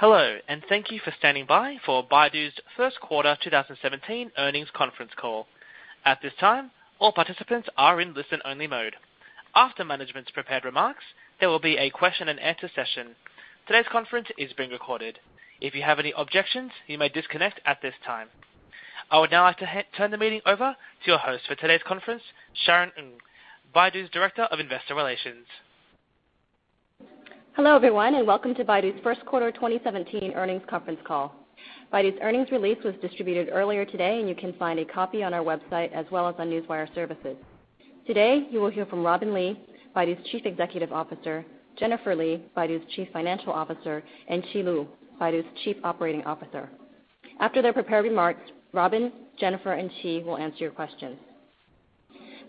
Hello, and thank you for standing by for Baidu's first quarter 2017 earnings conference call. At this time, all participants are in listen only mode. After management's prepared remarks, there will be a question and answer session. Today's conference is being recorded. If you have any objections, you may disconnect at this time. I would now like to turn the meeting over to your host for today's conference, Sharon Ng, Baidu's Director of Investor Relations. Hello everyone. Welcome to Baidu's first quarter 2017 earnings conference call. Baidu's earnings release was distributed earlier today, and you can find a copy on our website as well as on Newswire Services. Today, you will hear from Robin Li, Baidu's Chief Executive Officer, Jennifer Li, Baidu's Chief Financial Officer, and Qi Lu, Baidu's Chief Operating Officer. After their prepared remarks, Robin, Jennifer, and Qi will answer your questions.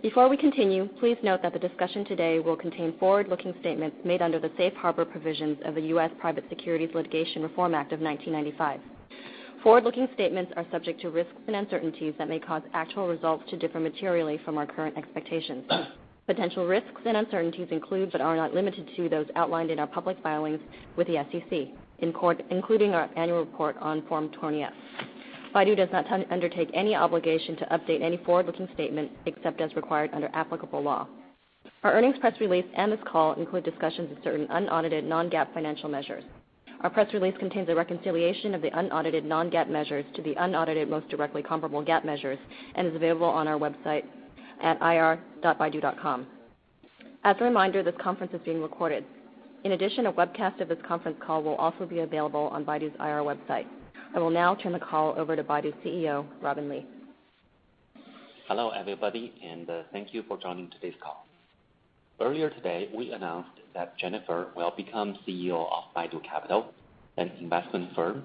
Before we continue, please note that the discussion today will contain forward-looking statements made under the Safe Harbor Provisions of the U.S. Private Securities Litigation Reform Act of 1995. Forward-looking statements are subject to risks and uncertainties that may cause actual results to differ materially from our current expectations. Potential risks and uncertainties include, but are not limited to, those outlined in our public filings with the SEC, including our annual report on Form 20-F. Baidu does not undertake any obligation to update any forward-looking statement except as required under applicable law. Our earnings press release and this call include discussions of certain unaudited non-GAAP financial measures. Our press release contains a reconciliation of the unaudited non-GAAP measures to the unaudited most directly comparable GAAP measures and is available on our website at ir.baidu.com. As a reminder, this conference is being recorded. In addition, a webcast of this conference call will also be available on Baidu's IR website. I will now turn the call over to Baidu's CEO, Robin Li. Hello, everybody. Thank you for joining today's call. Earlier today, we announced that Jennifer will become CEO of Baidu Capital, an investment firm.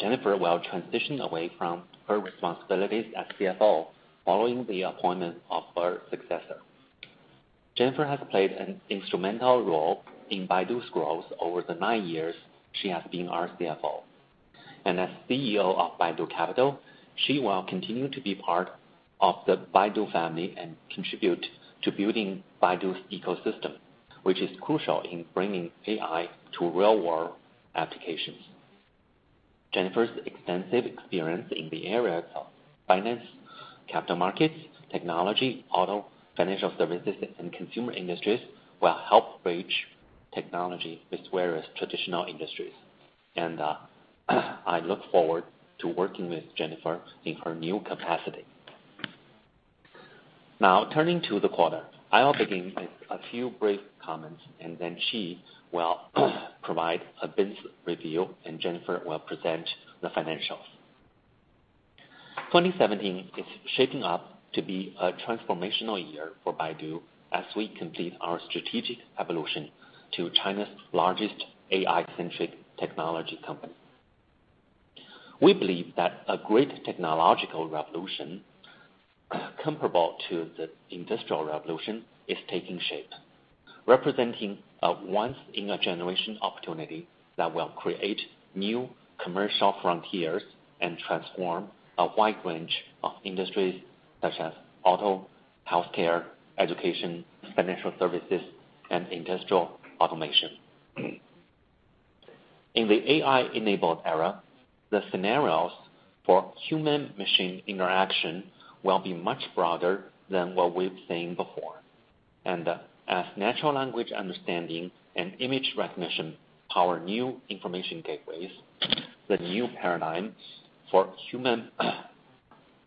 Jennifer will transition away from her responsibilities as CFO following the appointment of her successor. Jennifer has played an instrumental role in Baidu's growth over the nine years she has been our CFO. As CEO of Baidu Capital, she will continue to be part of the Baidu family and contribute to building Baidu's ecosystem, which is crucial in bringing AI to real-world applications. Jennifer's extensive experience in the areas of finance, capital markets, technology, auto, financial services, and consumer industries will help bridge technology with various traditional industries. I look forward to working with Jennifer in her new capacity. Now turning to the quarter. I'll begin with a few brief comments, then Qi will provide a biz review, and Jennifer will present the financials. 2017 is shaping up to be a transformational year for Baidu as we complete our strategic evolution to China's largest AI-centric technology company. We believe that a great technological revolution comparable to the Industrial Revolution is taking shape. Representing a once in a generation opportunity that will create new commercial frontiers and transform a wide range of industries such as auto, healthcare, education, financial services, and industrial automation. As natural language understanding and image recognition power new information gateways, the new paradigm for human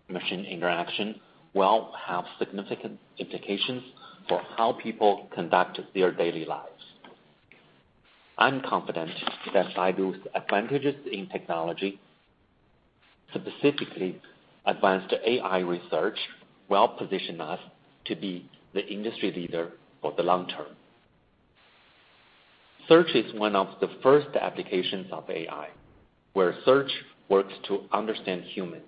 machine interaction will have significant implications for how people conduct their daily lives. I'm confident that Baidu's advantages in technology, specifically advanced AI research, will position us to be the industry leader for the long term. Search is one of the first applications of AI, where search works to understand humans.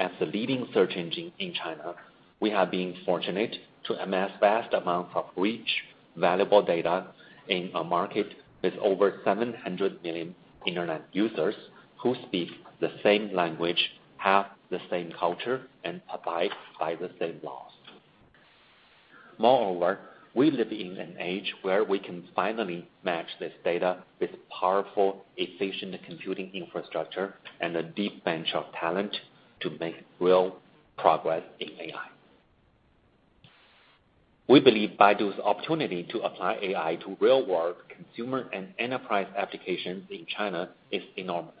As the leading search engine in China, we have been fortunate to amass vast amounts of rich, valuable data in a market with over 700 million internet users who speak the same language, have the same culture, and abide by the same laws. Moreover, we live in an age where we can finally match this data with powerful, efficient computing infrastructure and a deep bench of talent to make real progress in AI. We believe Baidu's opportunity to apply AI to real-world consumer and enterprise applications in China is enormous.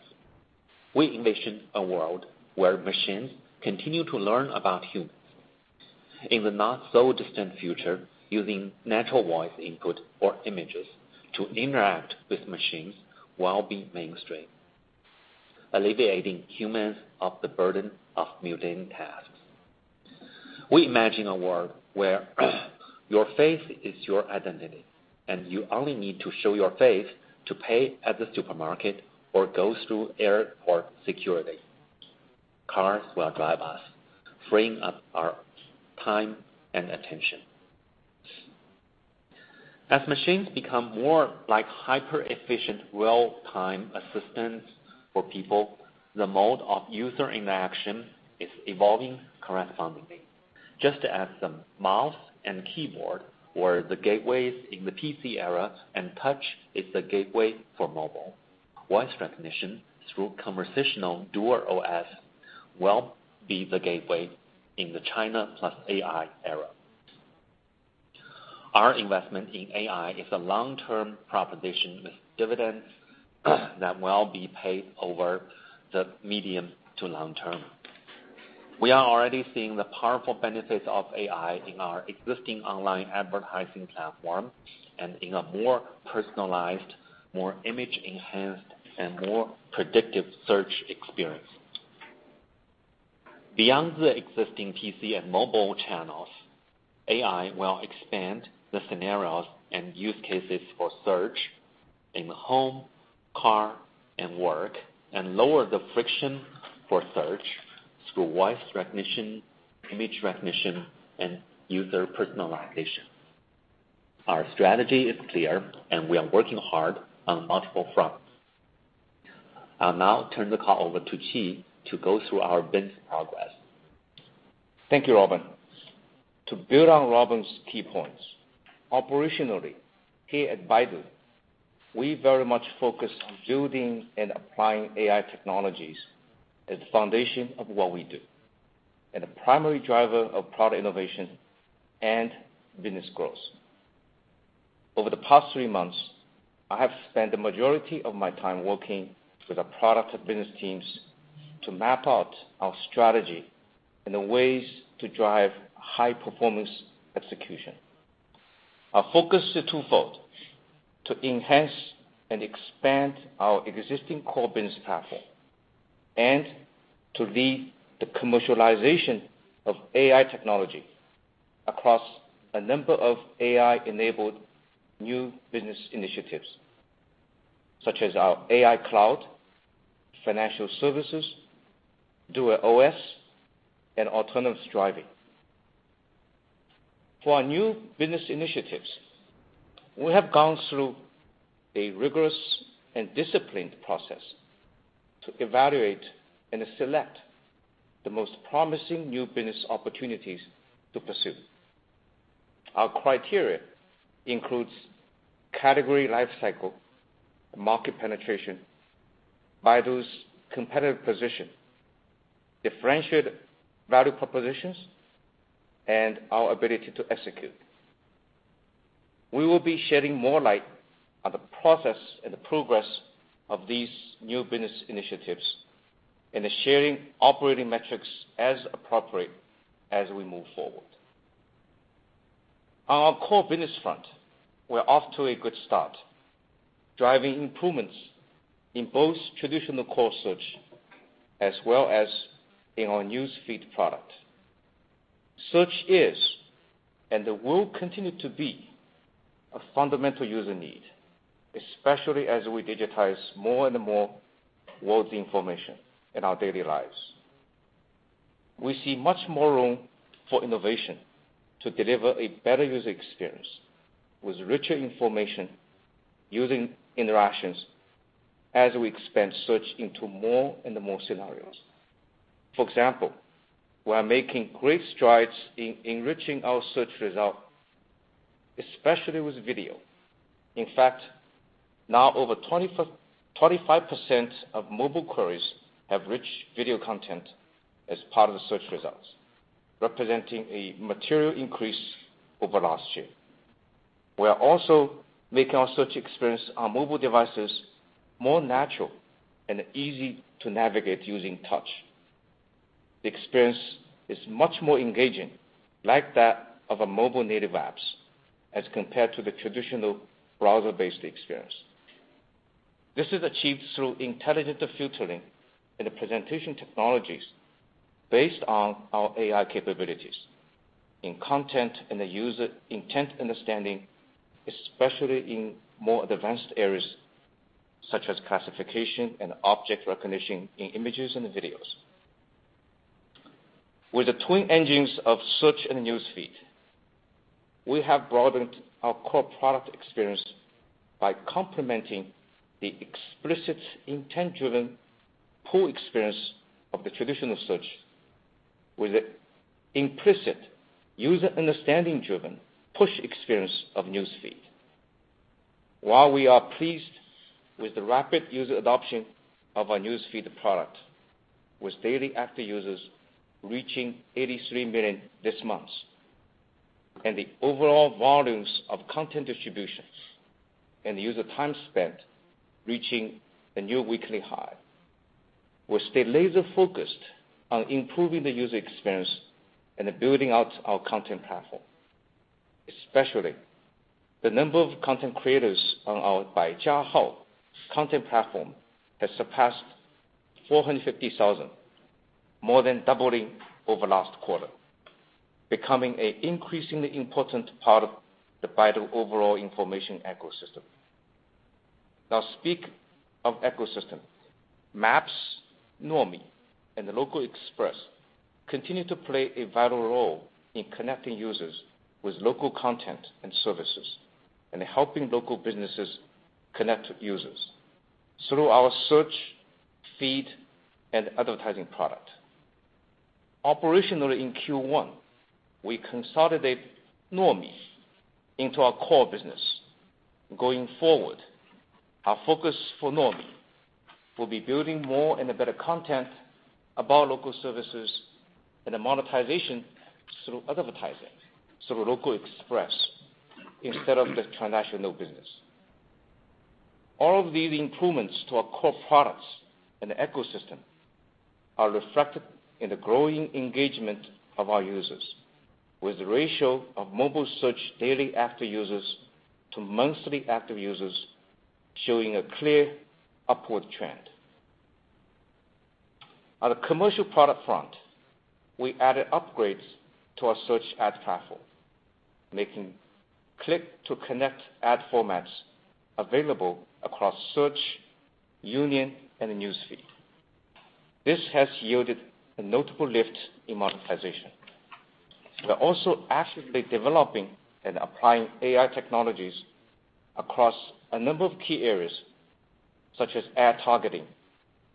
We envision a world where machines continue to learn about humans. In the not so distant future, using natural voice input or images to interact with machines will be mainstream, alleviating humans of the burden of mundane tasks. We imagine a world where your face is your identity, and you only need to show your face to pay at the supermarket or go through airport security. Cars will drive us, freeing up our time and attention. As machines become more like hyper-efficient, real-time assistants for people, the mode of user interaction is evolving correspondingly. Just as the mouse and keyboard were the gateways in the PC era and touch is the gateway for mobile, voice recognition through conversational DuerOS will be the gateway in the China plus AI era. Our investment in AI is a long-term proposition with dividends that will be paid over the medium to long term. We are already seeing the powerful benefits of AI in our existing online advertising platform and in a more personalized, more image-enhanced, and more predictive search experience. Beyond the existing PC and mobile channels, AI will expand the scenarios and use cases for search in the home, car, and work, and lower the friction for search through voice recognition, image recognition, and user personalization. Our strategy is clear, and we are working hard on multiple fronts. I'll now turn the call over to Qi to go through our business progress. Thank you, Robin. To build on Robin's key points, operationally here at Baidu, we very much focus on building and applying AI technologies as the foundation of what we do and the primary driver of product innovation and business growth. Over the past three months, I have spent the majority of my time working with the product and business teams to map out our strategy and the ways to drive high-performance execution. Our focus is twofold: to enhance and expand our existing core business platform and to lead the commercialization of AI technology across a number of AI-enabled new business initiatives, such as our AI cloud, financial services, DuerOS, and autonomous driving. For our new business initiatives, we have gone through a rigorous and disciplined process to evaluate and select the most promising new business opportunities to pursue. Our criteria includes category life cycle, market penetration, Baidu's competitive position, differentiated value propositions, and our ability to execute. We will be shedding more light on the process and the progress of these new business initiatives and sharing operating metrics as appropriate as we move forward. On our core business front, we're off to a good start, driving improvements in both traditional core search as well as in our newsfeed product. Search is, and will continue to be, a fundamental user need, especially as we digitize more and more world information in our daily lives. We see much more room for innovation to deliver a better user experience with richer information using interactions as we expand search into more and more scenarios. For example, we are making great strides in enriching our search results, especially with video. In fact, now over 25% of mobile queries have rich video content as part of the search results, representing a material increase over last year. We are also making our search experience on mobile devices more natural and easy to navigate using touch. The experience is much more engaging, like that of a mobile native apps, as compared to the traditional browser-based experience. This is achieved through intelligent filtering and presentation technologies based on our AI capabilities in content and user intent understanding, especially in more advanced areas such as classification and object recognition in images and videos. With the twin engines of search and newsfeed, we have broadened our core product experience by complementing the explicit intent-driven pull experience of the traditional search with the implicit user understanding-driven push experience of newsfeed. While we are pleased with the rapid user adoption of our newsfeed product, with daily active users reaching 83 million this month, and the overall volumes of content distributions and user time spent reaching a new weekly high. We stay laser-focused on improving the user experience and building out our content platform, especially the number of content creators on our Baijiahao content platform has surpassed 450,000, more than doubling over last quarter, becoming an increasingly important part of the Baidu overall information ecosystem. Now speak of ecosystem. Maps, Nuomi, and the Local Express continue to play a vital role in connecting users with local content and services and helping local businesses connect with users. Through our search, feed, and advertising product. Operationally in Q1, we consolidated Nuomi into our core business. Going forward, our focus for Nuomi will be building more and better content about local services and monetization through advertising, through Local Express instead of the transnational business. All of these improvements to our core products and ecosystem are reflected in the growing engagement of our users, with the ratio of mobile search daily active users to monthly active users showing a clear upward trend. On the commercial product front, we added upgrades to our search ad platform, making click-to-connect ad formats available across search, Union, and Newsfeed. This has yielded a notable lift in monetization. We're also actively developing and applying AI technologies across a number of key areas such as ad targeting,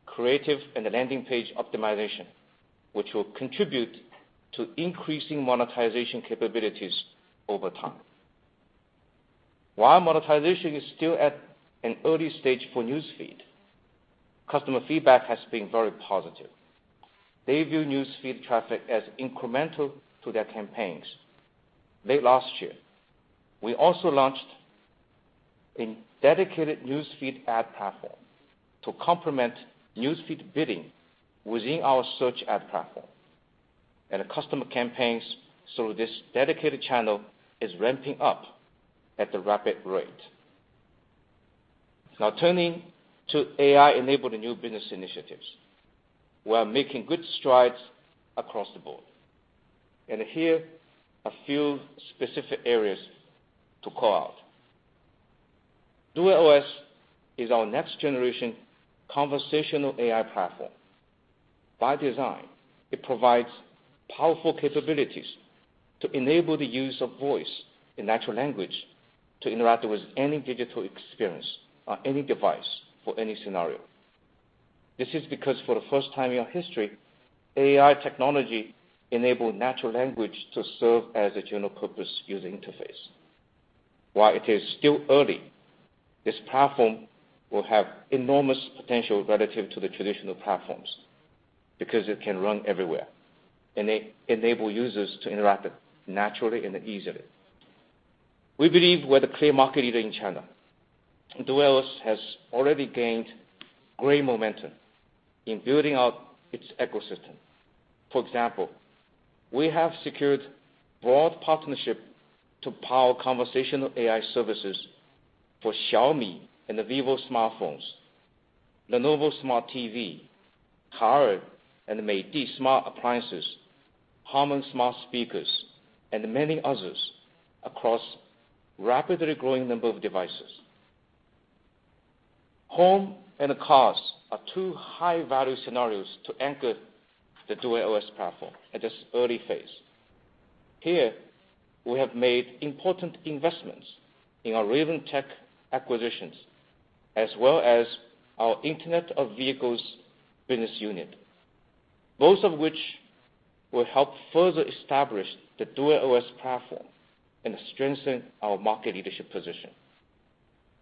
creative and landing page optimization, which will contribute to increasing monetization capabilities over time. While monetization is still at an early stage for Newsfeed, customer feedback has been very positive. They view Newsfeed traffic as incremental to their campaigns. Late last year, we also launched a dedicated Newsfeed ad platform to complement Newsfeed bidding within our search ad platform. Customer campaigns through this dedicated channel is ramping up at a rapid rate. Turning to AI-enabled new business initiatives. We're making good strides across the board. Here are a few specific areas to call out. DuerOS is our next-generation conversational AI platform. By design, it provides powerful capabilities to enable the use of voice in natural language to interact with any digital experience on any device for any scenario. This is because for the first time in our history, AI technology enabled natural language to serve as a general-purpose user interface. While it is still early, this platform will have enormous potential relative to the traditional platforms because it can run everywhere and enable users to interact naturally and easily. We believe we're the clear market leader in China. DuerOS has already gained great momentum in building out its ecosystem. For example, we have secured broad partnerships to power conversational AI services for Xiaomi and Vivo smartphones, Lenovo Smart TV, Haier and Midea smart appliances, Harman smart speakers, and many others across a rapidly growing number of devices. Home and cars are two high-value scenarios to anchor the DuerOS platform at this early phase. Here, we have made important investments in our Raven Tech acquisitions, as well as our Internet of Vehicles business unit, both of which will help further establish the DuerOS platform and strengthen our market leadership position.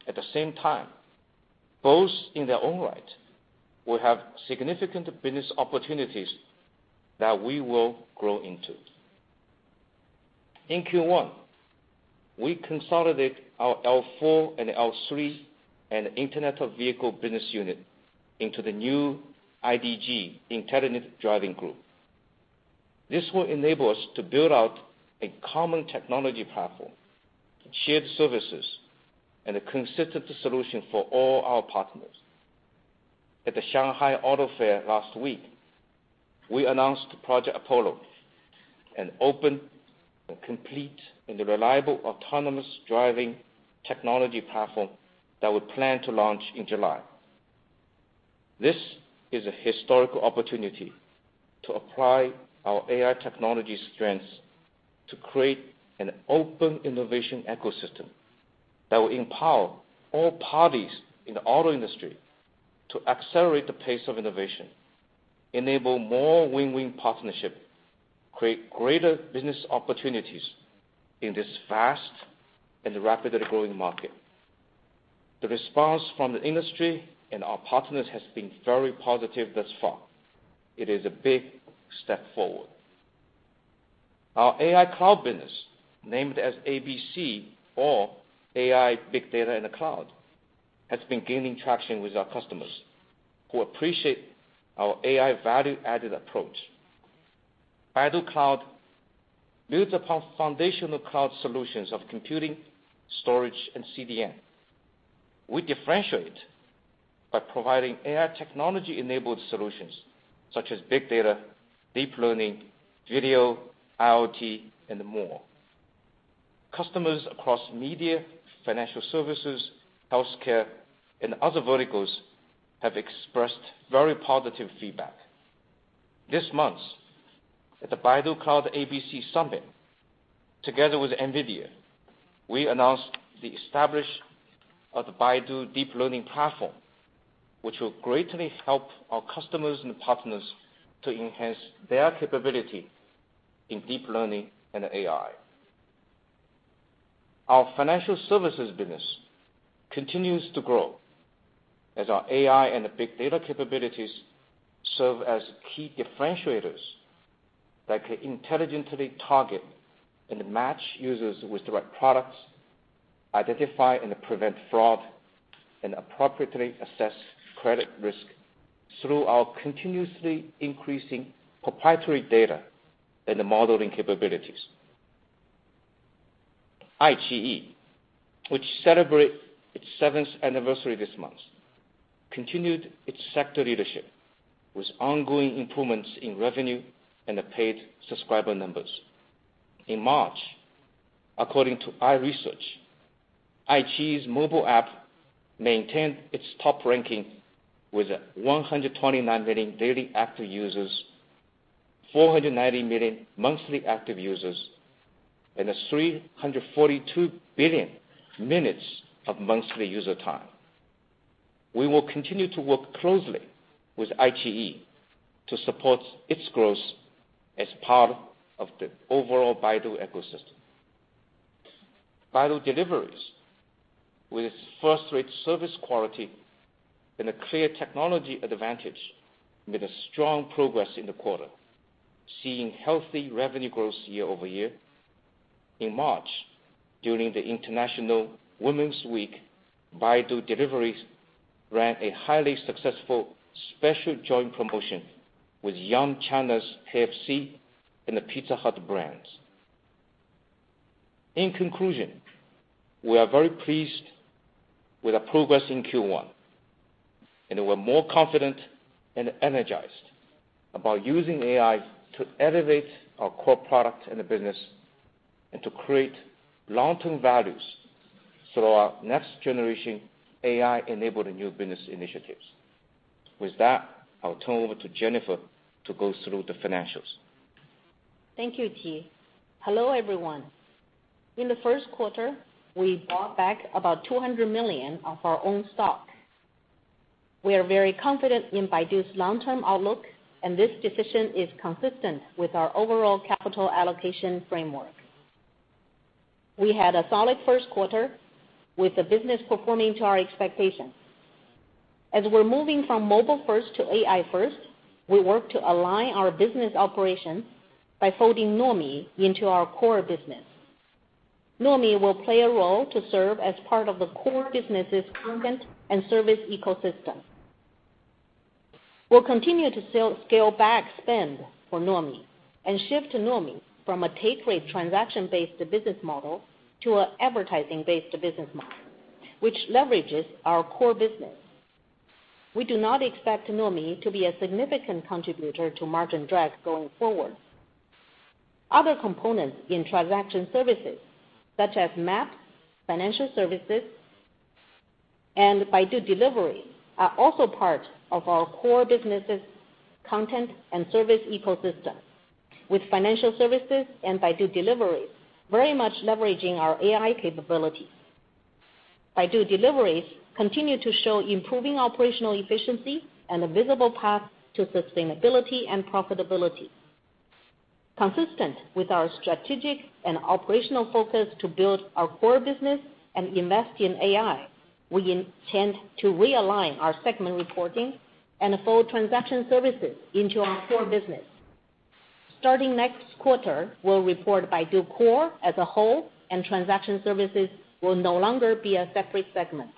At the same time, both in their own right, will have significant business opportunities that we will grow into. In Q1, we consolidated our L4 and L3 and Internet of Vehicles business unit into the new IDG, Intelligent Driving Group. This will enable us to build out a common technology platform, shared services, and a consistent solution for all our partners. At the Shanghai Auto Show last week, we announced Project Apollo, an open, complete, and reliable autonomous driving technology platform that we plan to launch in July. This is a historical opportunity to apply our AI technology strengths to create an open innovation ecosystem that will empower all parties in the auto industry to accelerate the pace of innovation, enable more win-win partnerships, create greater business opportunities in this fast and rapidly growing market. The response from the industry and our partners has been very positive thus far. It is a big step forward. Our AI Cloud business, named as ABC or AI, Big Data in the Cloud, has been gaining traction with our customers who appreciate our AI value-added approach. Baidu Cloud builds upon foundational cloud solutions of computing, storage, and CDN. We differentiate by providing AI technology-enabled solutions such as big data, deep learning, video, IoT, and more. Customers across media, financial services, healthcare, and other verticals have expressed very positive feedback. This month, at the Baidu Cloud ABC Summit, together with Nvidia, we announced the establishment of the Baidu Deep Learning Platform, which will greatly help our customers and partners to enhance their capability in deep learning and AI. Our financial services business continues to grow as our AI and big data capabilities serve as key differentiators that can intelligently target and match users with the right products, identify and prevent fraud, and appropriately assess credit risk through our continuously increasing proprietary data and modeling capabilities. iQIYI, which celebrated its seventh anniversary this month, continued its sector leadership with ongoing improvements in revenue and paid subscriber numbers. In March, according to our research, iQIYI's mobile app maintained its top ranking with 129 million daily active users, 490 million monthly active users, and 342 billion minutes of monthly user time. We will continue to work closely with iQIYI to support its growth as part of the overall Baidu ecosystem. Baidu Delivery, with its first-rate service quality and a clear technology advantage, made strong progress in the quarter, seeing healthy revenue growth year-over-year. In March, during the International Women's Day, Baidu Delivery ran a highly successful special joint promotion with Yum China's KFC and the Pizza Hut brands. In conclusion, we are very pleased with our progress in Q1, and we're more confident and energized about using AI to elevate our core product and the business and to create long-term values through our next-generation AI-enabled new business initiatives. With that, I'll turn over to Jennifer to go through the financials. Thank you, Qi. Hello, everyone. In the first quarter, we bought back about 200 million of our own stock. We are very confident in Baidu's long-term outlook, and this decision is consistent with our overall capital allocation framework. We had a solid first quarter with the business performing to our expectations. As we're moving from mobile first to AI first, we work to align our business operations by folding Nuomi into our core business. Nuomi will play a role to serve as part of the core business's content and service ecosystem. We'll continue to scale back spend for Nuomi and shift Nuomi from a take rate transaction-based business model to an advertising-based business model, which leverages our core business. We do not expect Nuomi to be a significant contributor to margin drag going forward. Other components in transaction services such as Maps, financial services, and Baidu Waimai are also part of our core business's content and service ecosystem, with financial services and Baidu Waimai very much leveraging our AI capabilities. Baidu Waimai continue to show improving operational efficiency and a visible path to sustainability and profitability. Consistent with our strategic and operational focus to build our core business and invest in AI, we intend to realign our segment reporting and fold transaction services into our core business. Starting next quarter, we'll report Baidu Core as a whole, and transaction services will no longer be a separate segment.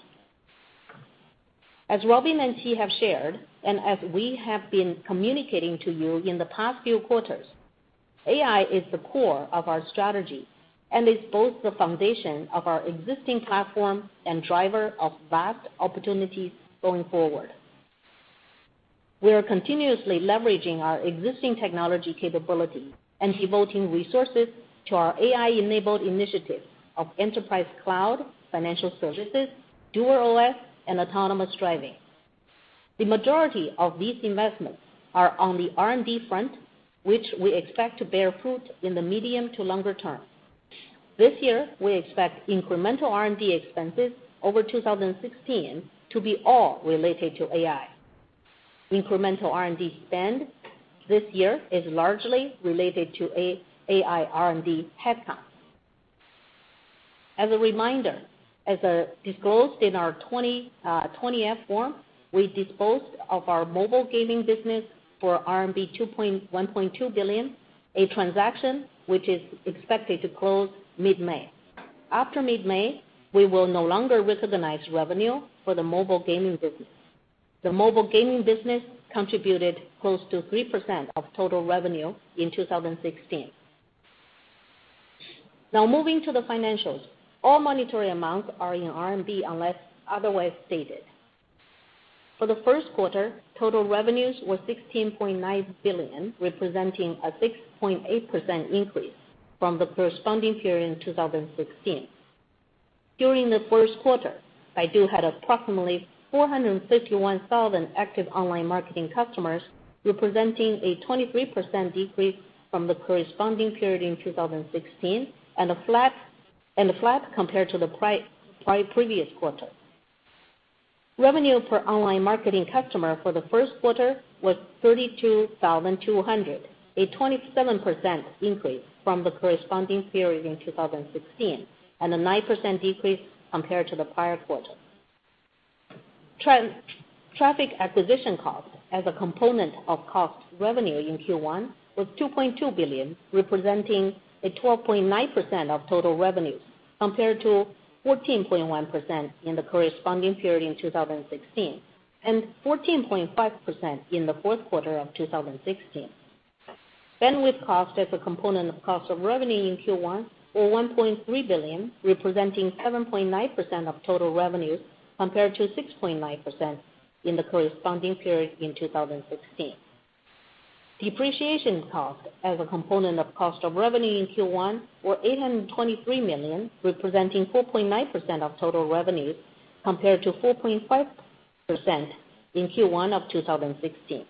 As Robin and Qi have shared, and as we have been communicating to you in the past few quarters, AI is the core of our strategy and is both the foundation of our existing platform and driver of vast opportunities going forward. We are continuously leveraging our existing technology capability and devoting resources to our AI-enabled initiatives of enterprise cloud, financial services, DuerOS, and autonomous driving. The majority of these investments are on the R&D front, which we expect to bear fruit in the medium to longer term. This year, we expect incremental R&D expenses over 2016 to be all related to AI. Incremental R&D spend this year is largely related to AI R&D headcount. As a reminder, as disclosed in our 20-F form, we disposed of our mobile gaming business for RMB 1.2 billion, a transaction which is expected to close mid-May. After mid-May, we will no longer recognize revenue for the mobile gaming business. The mobile gaming business contributed close to 3% of total revenue in 2016. Now moving to the financials. All monetary amounts are in RMB unless otherwise stated. For the first quarter, total revenues were 16.9 billion, representing a 6.8% increase from the corresponding period in 2016. During the first quarter, Baidu had approximately 451,000 active online marketing customers, representing a 23% decrease from the corresponding period in 2016, and flat compared to the previous quarter. Revenue per online marketing customer for the first quarter was 32,200, a 27% increase from the corresponding period in 2016, and a 9% decrease compared to the prior quarter. Traffic acquisition cost as a component of cost revenue in Q1 was 2.2 billion, representing 12.9% of total revenues, compared to 14.1% in the corresponding period in 2016 and 14.5% in the fourth quarter of 2016. Bandwidth cost as a component of cost of revenue in Q1 were 1.3 billion, representing 7.9% of total revenues, compared to 6.9% in the corresponding period in 2016. Depreciation cost as a component of cost of revenue in Q1 were 823 million, representing 4.9% of total revenues, compared to 4.5% in Q1 of 2016.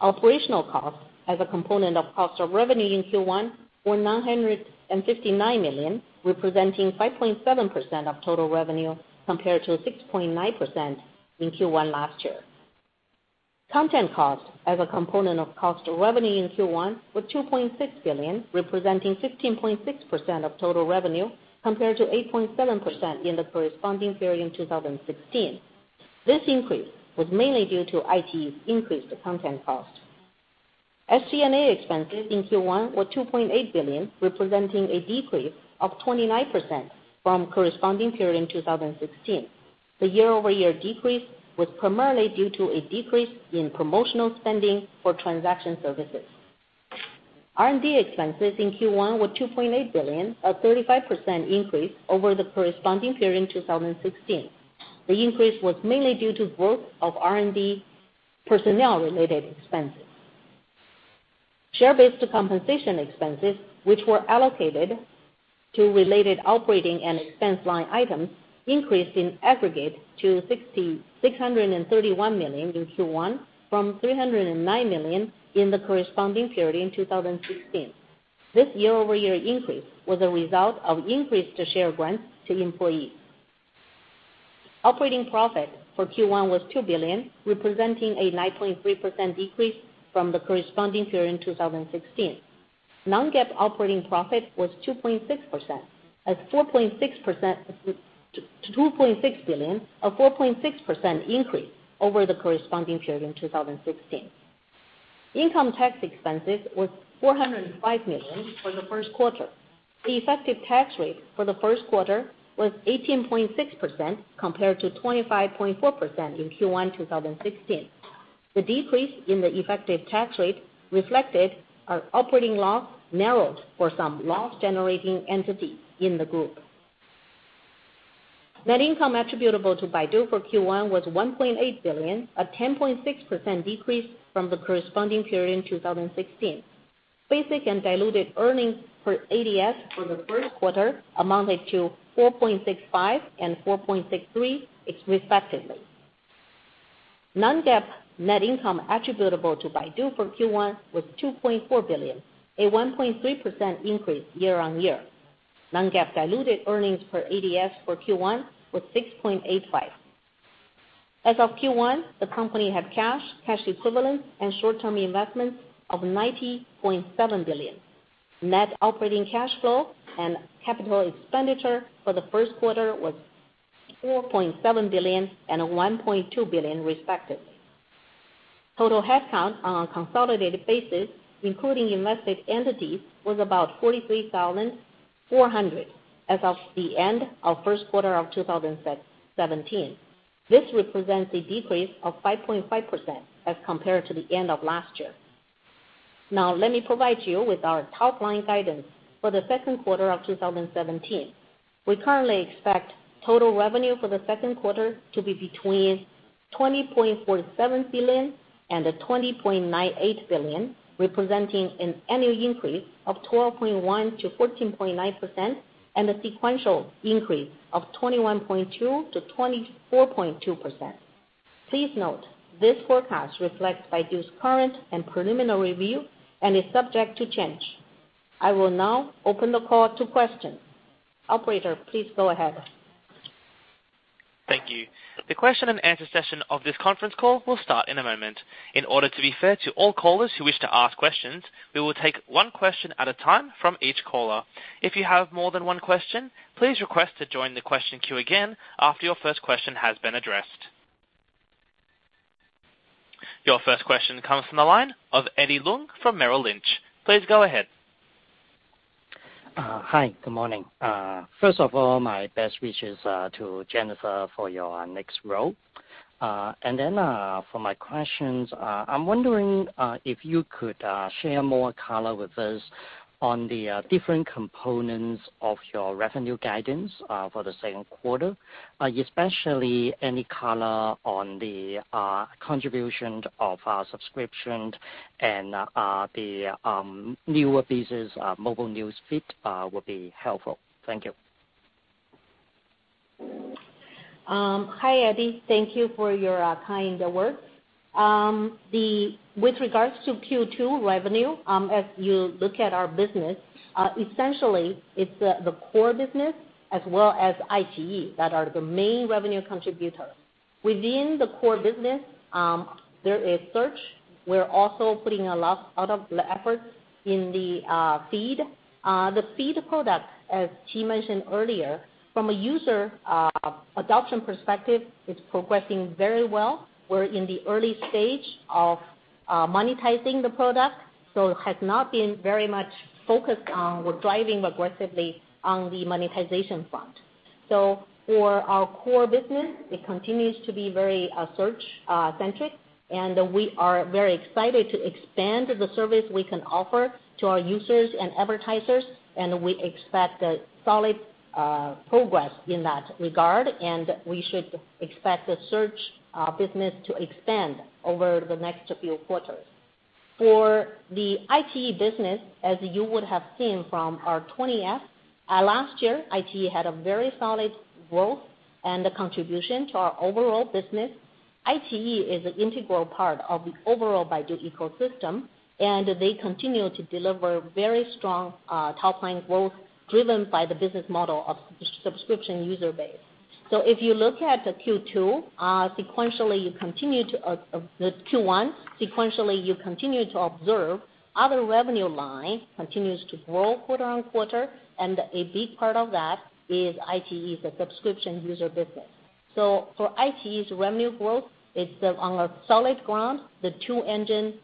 Operational cost as a component of cost of revenue in Q1 were 959 million, representing 5.7% of total revenue, compared to 6.9% in Q1 last year. Content cost as a component of cost of revenue in Q1 were 2.6 billion, representing 16.6% of total revenue, compared to 8.7% in the corresponding period in 2016. This increase was mainly due to iQIYI's increased content cost. SG&A expenses in Q1 were 2.8 billion, representing a decrease of 29% from corresponding period in 2016. The year-over-year decrease was primarily due to a decrease in promotional spending for transaction services. R&D expenses in Q1 were 2.8 billion, a 35% increase over the corresponding period in 2016. The increase was mainly due to growth of R&D personnel-related expenses. Share-based compensation expenses, which were allocated to related operating and expense line items, increased in aggregate to 631 million in Q1 from 309 million in the corresponding period in 2016. This year-over-year increase was a result of increased share grants to employees. Operating profit for Q1 was 2 billion, representing a 9.3% decrease from the corresponding period in 2016. Non-GAAP operating profit was 2.6 billion, a 4.6% increase over the corresponding period in 2016. Income tax expenses was 405 million for the first quarter. The effective tax rate for the first quarter was 18.6% compared to 25.4% in Q1 2016. The decrease in the effective tax rate reflected our operating loss narrowed for some loss-generating entities in the group. Net income attributable to Baidu for Q1 was 1.8 billion, a 10.6% decrease from the corresponding period in 2016. Basic and diluted earnings per ADS for the first quarter amounted to 4.65 and 4.63 respectively. Non-GAAP net income attributable to Baidu for Q1 was 2.4 billion, a 1.3% increase year-on-year. Non-GAAP diluted earnings per ADS for Q1 was 6.85. As of Q1, the company had cash equivalents, and short-term investments of 90.7 billion. Net operating cash flow and capital expenditure for the first quarter was 4.7 billion and 1.2 billion respectively. Total headcount on a consolidated basis, including invested entities, was about 43,400 as of the end of first quarter of 2017. This represents a decrease of 5.5% as compared to the end of last year. Let me provide you with our top line guidance for the second quarter of 2017. We currently expect total revenue for the second quarter to be between 20.47 billion and 20.98 billion, representing an annual increase of 12.1%-14.9% and a sequential increase of 21.2%-24.2%. Please note, this forecast reflects Baidu's current and preliminary review and is subject to change. I will now open the call to questions. Operator, please go ahead. Thank you. The question and answer session of this conference call will start in a moment. In order to be fair to all callers who wish to ask questions, we will take one question at a time from each caller. If you have more than one question, please request to join the question queue again after your first question has been addressed. Your first question comes from the line of Eddie Leung from Merrill Lynch. Please go ahead. Hi. Good morning. First of all, my best wishes to Jennifer for your next role. For my questions, I'm wondering if you could share more color with us on the different components of your revenue guidance for the second quarter, especially any color on the contribution of our subscriptions and the newer business, Mobile News Feed, would be helpful. Thank you. Hi, Eddie. Thank you for your kind words. With regards to Q2 revenue, as you look at our business, essentially it's the core business as well as iQIYI that are the main revenue contributor. Within the core business, there is Search. We're also putting a lot of the efforts in the Feed. The Feed product, as Qi mentioned earlier, from a user adoption perspective, it's progressing very well. We're in the early stage of monetizing the product, has not been very much focused on driving aggressively on the monetization front. For our core business, it continues to be very Search centric, and we are very excited to expand the service we can offer to our users and advertisers, and we expect a solid progress in that regard, and we should expect the Search business to expand over the next few quarters. For the iQIYI business, as you would have seen from our 20-F, last year, iQIYI had a very solid growth and contribution to our overall Baidu business. iQIYI is an integral part of the overall Baidu ecosystem, and they continue to deliver very strong top-line growth driven by the business model of subscription user base. If you look at the Q1, sequentially you continue to observe other revenue line continues to grow quarter-on-quarter, and a big part of that is iQIYI, the subscription user business. For iQIYI's revenue growth, it's on a solid ground. The two engine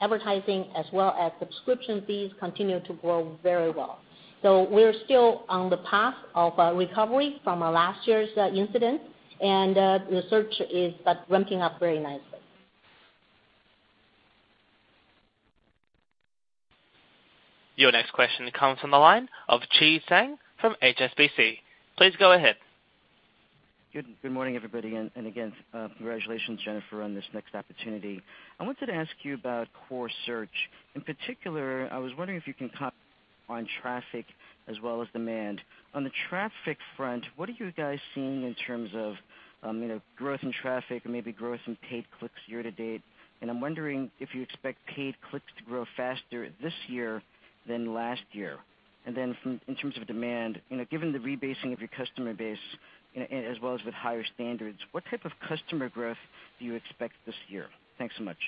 advertising, as well as subscription fees, continue to grow very well. We are still on the path of recovery from last year's incident, and the Search is ramping up very nicely. Your next question comes from the line of Chi Tsang from HSBC. Please go ahead. Good morning, everybody. Again, congratulations, Jennifer, on this next opportunity. I wanted to ask you about core search. In particular, I was wondering if you can comment on traffic as well as demand. On the traffic front, what are you guys seeing in terms of growth in traffic, maybe growth in paid clicks year to date? I'm wondering if you expect paid clicks to grow faster this year than last year. Then in terms of demand, given the rebasing of your customer base as well as with higher standards, what type of customer growth do you expect this year? Thanks so much.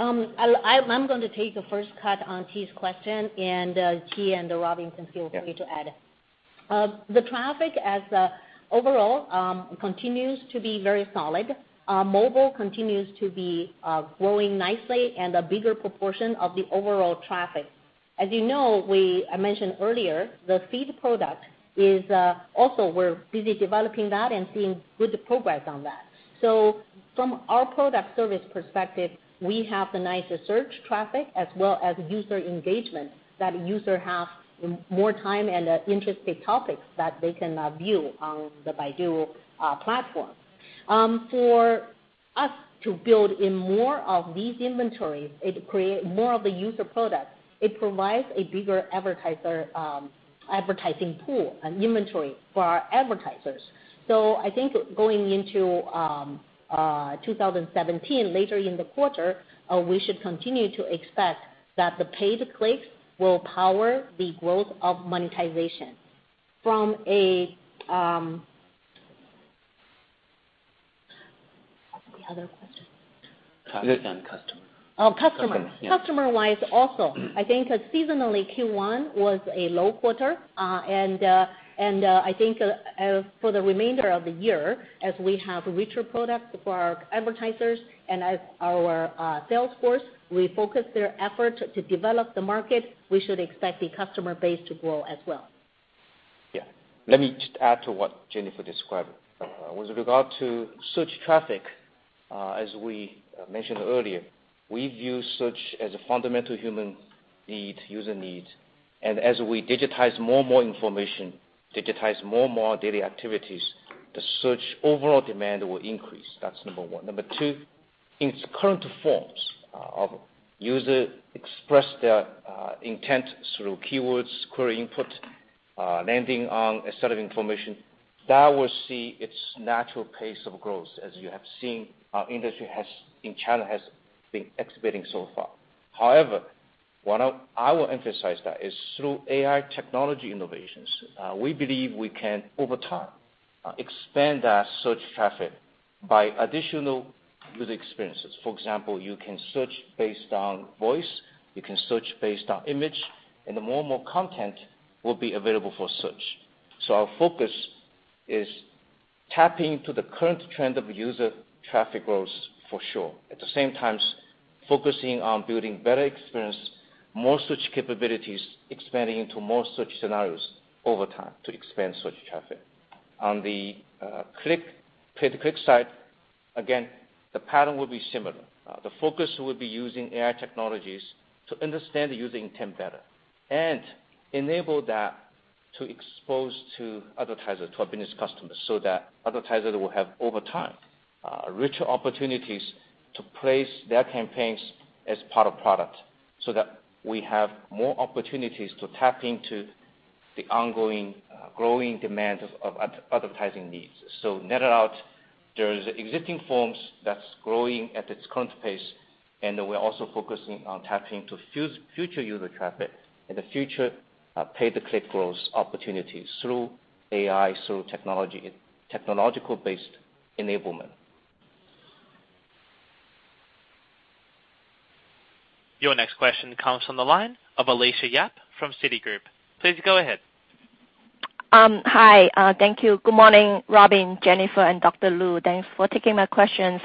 I'm going to take the first cut on Chi's question, Qi and Robin can feel free to add. The traffic as overall continues to be very solid. Mobile continues to be growing nicely and a bigger proportion of the overall traffic. As you know, I mentioned earlier, the Feed product is also we're busy developing that and seeing good progress on that. From our product service perspective, we have the nicer search traffic as well as user engagement that user have more time and interesting topics that they can view on the Baidu platform. For us to build in more of these inventories, it create more of the user product. It provides a bigger advertising pool and inventory for our advertisers. I think going into 2017, later in the quarter, we should continue to expect that the paid clicks will power the growth of monetization. What was the other question? Traffic and customer. Oh, customer. Customer wise also, I think seasonally, Q1 was a low quarter. I think for the remainder of the year, as we have richer product for our advertisers and as our sales force refocus their effort to develop the market, we should expect the customer base to grow as well. Yeah. Let me just add to what Jennifer described. With regard to search traffic, as we mentioned earlier, we view search as a fundamental human need, user need. As we digitize more and more information, digitize more and more daily activities, the search overall demand will increase. That's number one. Number two, in its current forms of user express their intent through keywords, query input, landing on a set of information, that will see its natural pace of growth as you have seen our industry in China has been exhibiting so far. However, what I will emphasize that is through AI technology innovations, we believe we can, over time, expand that search traffic by additional user experiences. For example, you can search based on voice, you can search based on image, and more content will be available for search. Our focus is tapping to the current trend of user traffic growth, for sure. At the same time, focusing on building better experience, more search capabilities, expanding into more search scenarios over time to expand search traffic. On the pay-to-click side, again, the pattern will be similar. The focus will be using AI technologies to understand the user intent better and enable that to expose to advertisers, to our business customers, so that advertisers will have, over time, richer opportunities to place their campaigns as part of product, so that we have more opportunities to tap into the ongoing growing demand of advertising needs. Net out, there is existing forms that's growing at its current pace, and we're also focusing on tapping to future user traffic in the future, pay-to-click growth opportunities through AI, through technological-based enablement. Your next question comes from the line of Alicia Yap from Citigroup. Please go ahead. Hi. Thank you. Good morning, Robin, Jennifer, and Dr. Lu. Thanks for taking my questions.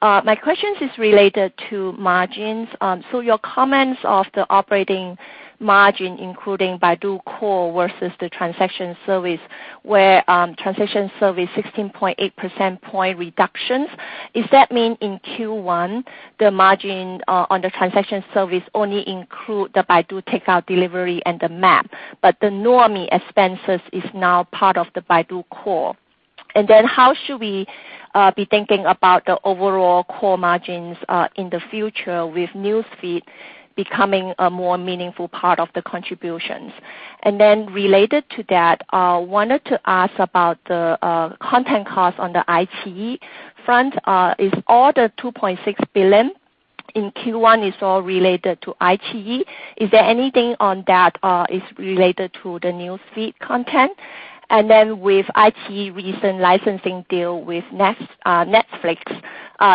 My questions are related to margins. Your comments of the operating margin, including Baidu Core versus the transaction services, where transaction services 16.8 percentage point reductions. Does that mean in Q1, the margin on the transaction services only include the Baidu Waimai and the map, but the Nuomi expenses are now part of the Baidu Core? How should we be thinking about the overall Core margins, in the future with Newsfeed becoming a more meaningful part of the contributions? Related to that, wanted to ask about the content cost on the iQIYI front. Is all the 2.6 billion in Q1 related to iQIYI? Is there anything on that related to the Newsfeed content? With iQIYI recent licensing deal with Netflix,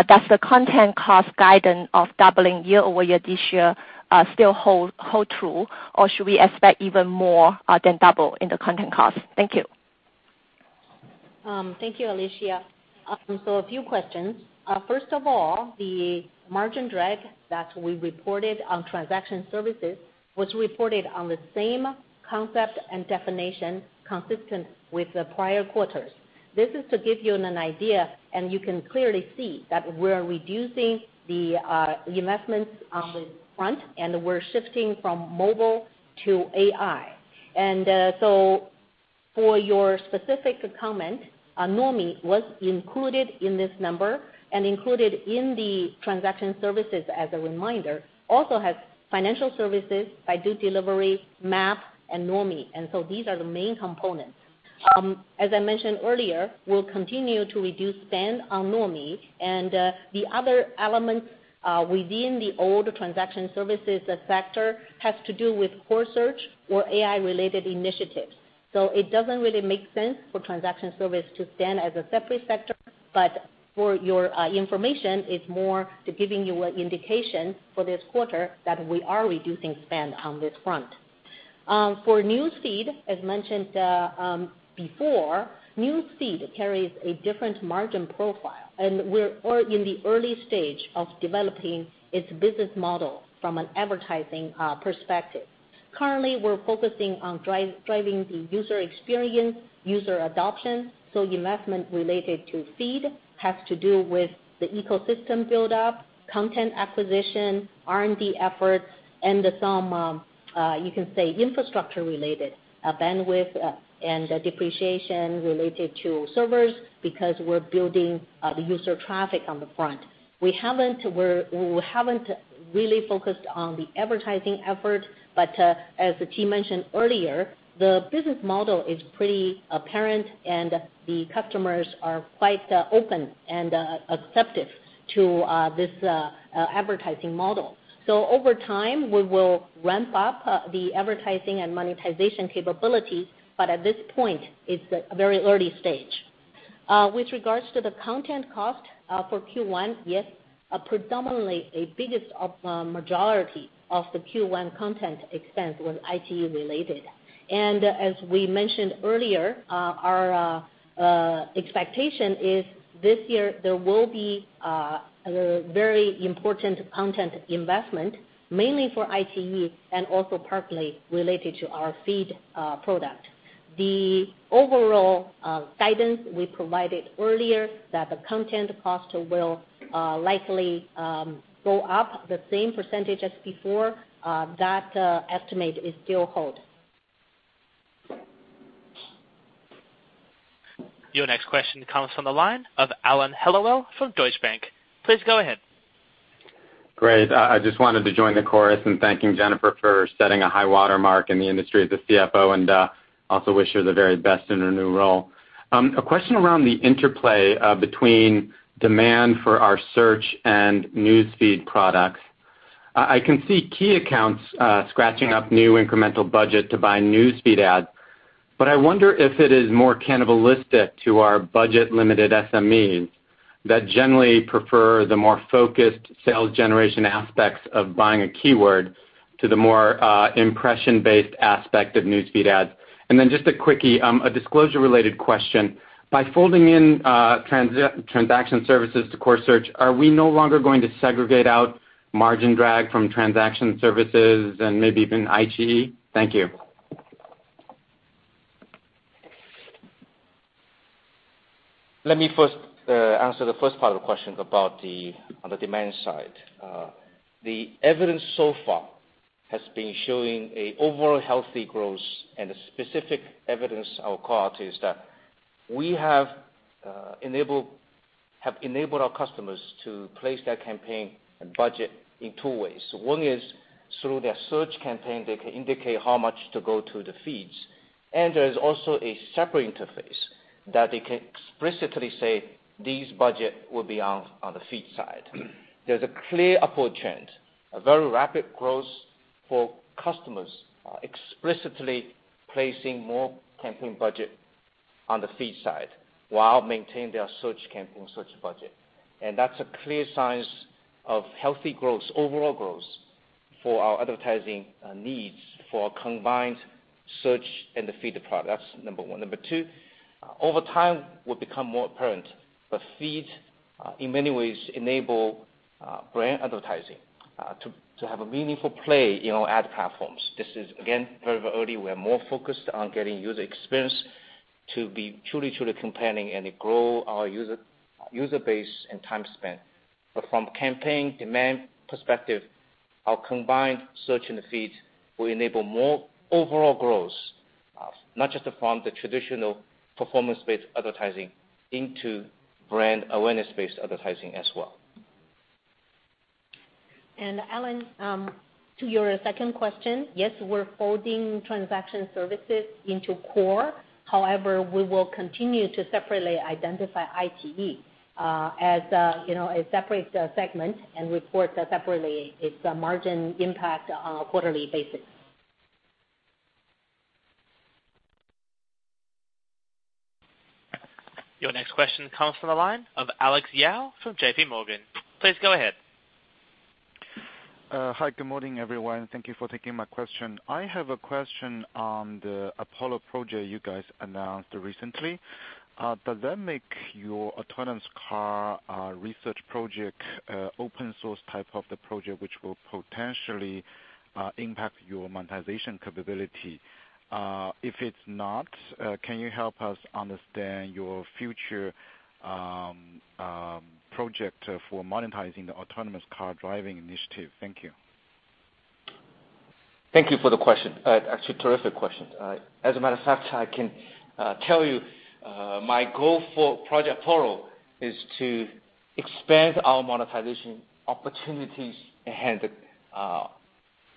does the content cost guidance of doubling year-over-year this year still hold true, or should we expect even more than double in the content cost? Thank you. Thank you, Alicia. A few questions. First of all, the margin drag that we reported on transaction services was reported on the same concept and definition consistent with the prior quarters. This is to give you an idea, and you can clearly see that we're reducing the investments on this front, and we're shifting from mobile to AI. For your specific comment, Nuomi was included in this number and included in the transaction services, as a reminder, also has financial services, Baidu Waimai, map, and Nuomi. These are the main components. As I mentioned earlier, we'll continue to reduce spend on Nuomi and the other elements within the old transaction services sector has to do with Core search or AI related initiatives. It doesn't really make sense for transaction services to stand as a separate sector, but for your information, it's more to giving you an indication for this quarter that we are reducing spend on this front. For Newsfeed, as mentioned before, Newsfeed carries a different margin profile, and we're in the early stage of developing its business model from an advertising perspective. Currently, we're focusing on driving the user experience, user adoption, investment related to feed has to do with the ecosystem build-up, content acquisition, R&D efforts, and some, you can say, infrastructure related bandwidth and depreciation related to servers because we're building the user traffic on the front. We haven't really focused on the advertising effort, but as the team mentioned earlier, the business model is pretty apparent and the customers are quite open and accepting to this advertising model. Over time, we will ramp up the advertising and monetization capabilities. At this point, it's a very early stage. With regards to the content cost for Q1, yes, predominantly a biggest of majority of the Q1 content expense was iQIYI related. As we mentioned earlier, our expectation is this year there will be a very important content investment, mainly for iQIYI and also partly related to our feed product. The overall guidance we provided earlier that the content cost will likely go up the same % as before, that estimate still holds. Your next question comes from the line of Alan Hellawell from Deutsche Bank. Please go ahead. Great. I just wanted to join the chorus in thanking Jennifer for setting a high watermark in the industry as the CFO and also wish her the very best in her new role. A question around the interplay between demand for our search and Newsfeed products. I can see key accounts scratching up new incremental budget to buy Newsfeed ads, but I wonder if it is more cannibalistic to our budget-limited SMEs that generally prefer the more focused sales generation aspects of buying a keyword to the more impression-based aspect of Newsfeed ads. Just a quickie, a disclosure related question. By folding in transaction services to core search, are we no longer going to segregate out margin drag from transaction services and maybe even iQIYI? Thank you. Let me first answer the first part of the question about on the demand side. The evidence so far has been showing an overall healthy growth and specific evidence I will call out is that we have enabled our customers to place their campaign and budget in two ways. One is through their search campaign, they can indicate how much to go to the feeds. There's also a separate interface that they can explicitly say, "These budget will be on the feed side." There's a clear upward trend, a very rapid growth for customers explicitly placing more campaign budget on the feed side while maintaining their search campaign, search budget. That's a clear sign of healthy growth, overall growth for our advertising needs for our combined search and the feed product. That's number 1. Number two, over time, we've become more apparent, feeds, in many ways enable brand advertising to have a meaningful play in our ad platforms. This is, again, very early. We are more focused on getting user experience to be truly compelling and grow our user base and time spent. From campaign demand perspective, our combined search and the feed will enable more overall growth, not just from the traditional performance-based advertising into brand awareness-based advertising as well. Alan, to your second question, yes, we're folding transaction services into core. However, we will continue to separately identify ITE as a separate segment and report that separately its margin impact on a quarterly basis. Your next question comes from the line of Alex Yao from JPMorgan. Please go ahead. Hi, good morning, everyone. Thank you for taking my question. I have a question on the Apollo project you guys announced recently. Does that make your autonomous car research project open source type of the project, which will potentially impact your monetization capability? If it's not, can you help us understand your future project for monetizing the autonomous car driving initiative? Thank you. Thank you for the question. Actually, terrific question. As a matter of fact, I can tell you, my goal for Project Apollo is to expand our monetization opportunities and have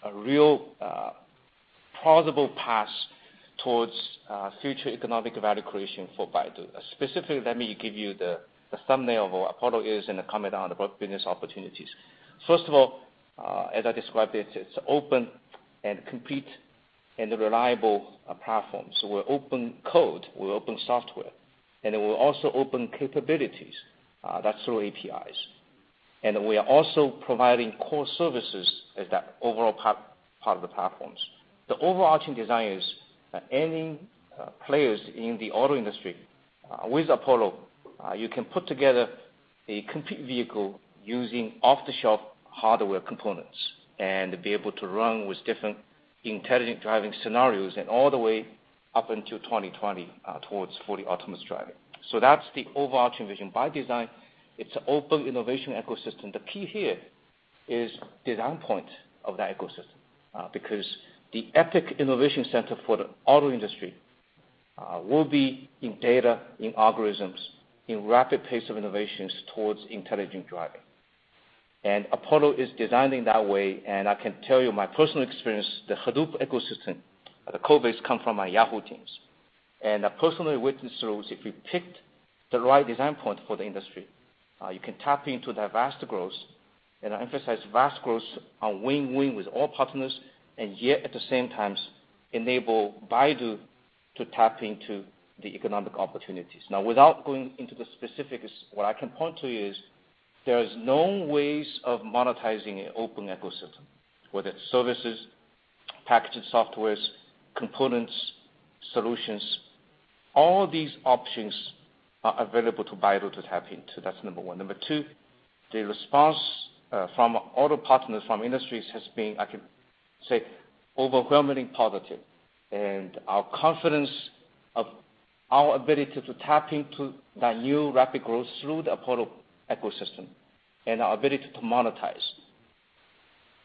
a real plausible path towards future economic value creation for Baidu. Specifically, let me give you the thumbnail of what Apollo is and comment on the business opportunities. First of all, as I described it's open and complete and a reliable platform. We're open code, we're open software, and then we're also open capabilities, that's through APIs. We are also providing core services as that overall part of the platforms. The overarching design is any players in the auto industry with Apollo, you can put together a complete vehicle using off-the-shelf hardware components and be able to run with different intelligent driving scenarios and all the way up until 2020, towards fully autonomous driving. That's the overarching vision. By design, it's an open innovation ecosystem. The key here is design point of that ecosystem, because the epic innovation center for the auto industry will be in data, in algorithms, in rapid pace of innovations towards intelligent driving. Apollo is designing that way, and I can tell you my personal experience, the Hadoop ecosystem, the code base come from my Yahoo teams. I personally witnessed those, if you picked the right design point for the industry, you can tap into that vast growth. I emphasize vast growth on win-win with all partners, and yet at the same times enable Baidu to tap into the economic opportunities. Now without going into the specifics, what I can point to is there is known ways of monetizing an open ecosystem, whether it's services, packaged softwares, components, solutions, all these options are available to Baidu to tap into. That's number one. Number two, the response from auto partners, from industries has been, I can say, overwhelmingly positive. Our confidence of our ability to tap into that new rapid growth through the Apollo ecosystem and our ability to monetize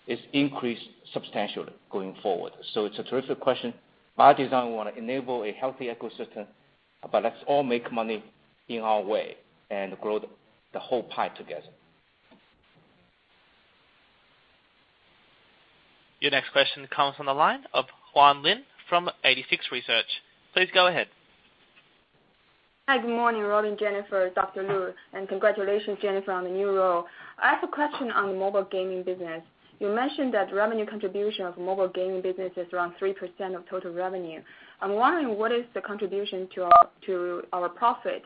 is increased substantially going forward. It's a terrific question. By design, we want to enable a healthy ecosystem, but let's all make money in our way and grow the whole pie together. Your next question comes from the line of Juan Lin from 86Research. Please go ahead. Hi, good morning, Robin, Jennifer, Dr. Lu, and congratulations, Jennifer, on the new role. I have a question on the mobile gaming business. You mentioned that revenue contribution of mobile gaming business is around 3% of total revenue. I am wondering, what is the contribution to our profit?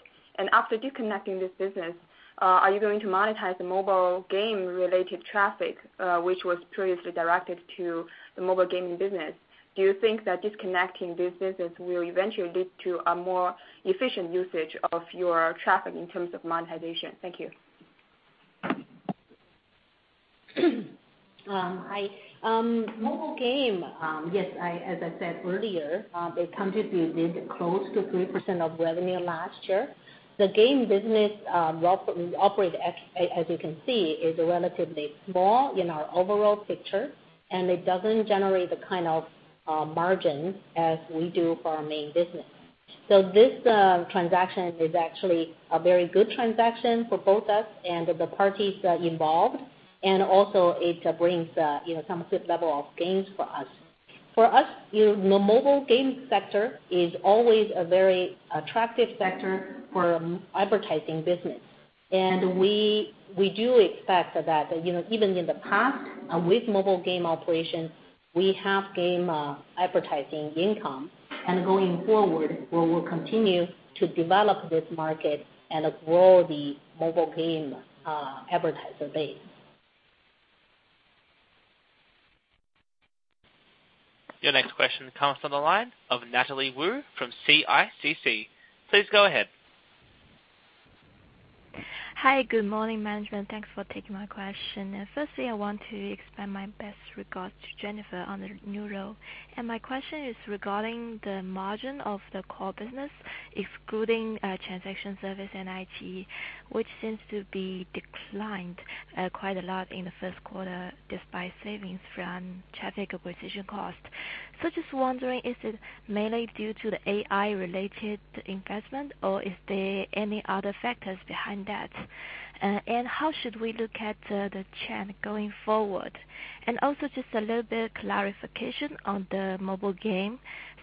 After disconnecting this business, are you going to monetize the mobile game related traffic, which was previously directed to the mobile gaming business? Do you think that disconnecting this business will eventually lead to a more efficient usage of your traffic in terms of monetization? Thank you. Mobile game, yes, as I said earlier, they contributed close to 3% of revenue last year. The game business operates, as you can see, is relatively small in our overall picture, it doesn't generate the kind of margins as we do for our main business. This transaction is actually a very good transaction for both us and the parties involved, it brings some good level of gains for us. For us, the mobile game sector is always a very attractive sector for advertising business. We do expect that, even in the past with mobile game operations, we have game advertising income, going forward, we will continue to develop this market and grow the mobile game advertiser base. Your next question comes from the line of Natalie Wu from CICC. Please go ahead. Hi, good morning, management. Thanks for taking my question. Firstly, I want to expand my best regards to Jennifer on the new role. My question is regarding the margin of the core business, excluding transaction service and IT, which seems to be declined quite a lot in the first quarter despite savings from traffic acquisition cost. Just wondering, is it mainly due to the AI related investment or is there any other factors behind that? How should we look at the trend going forward? Also just a little bit of clarification on the mobile game,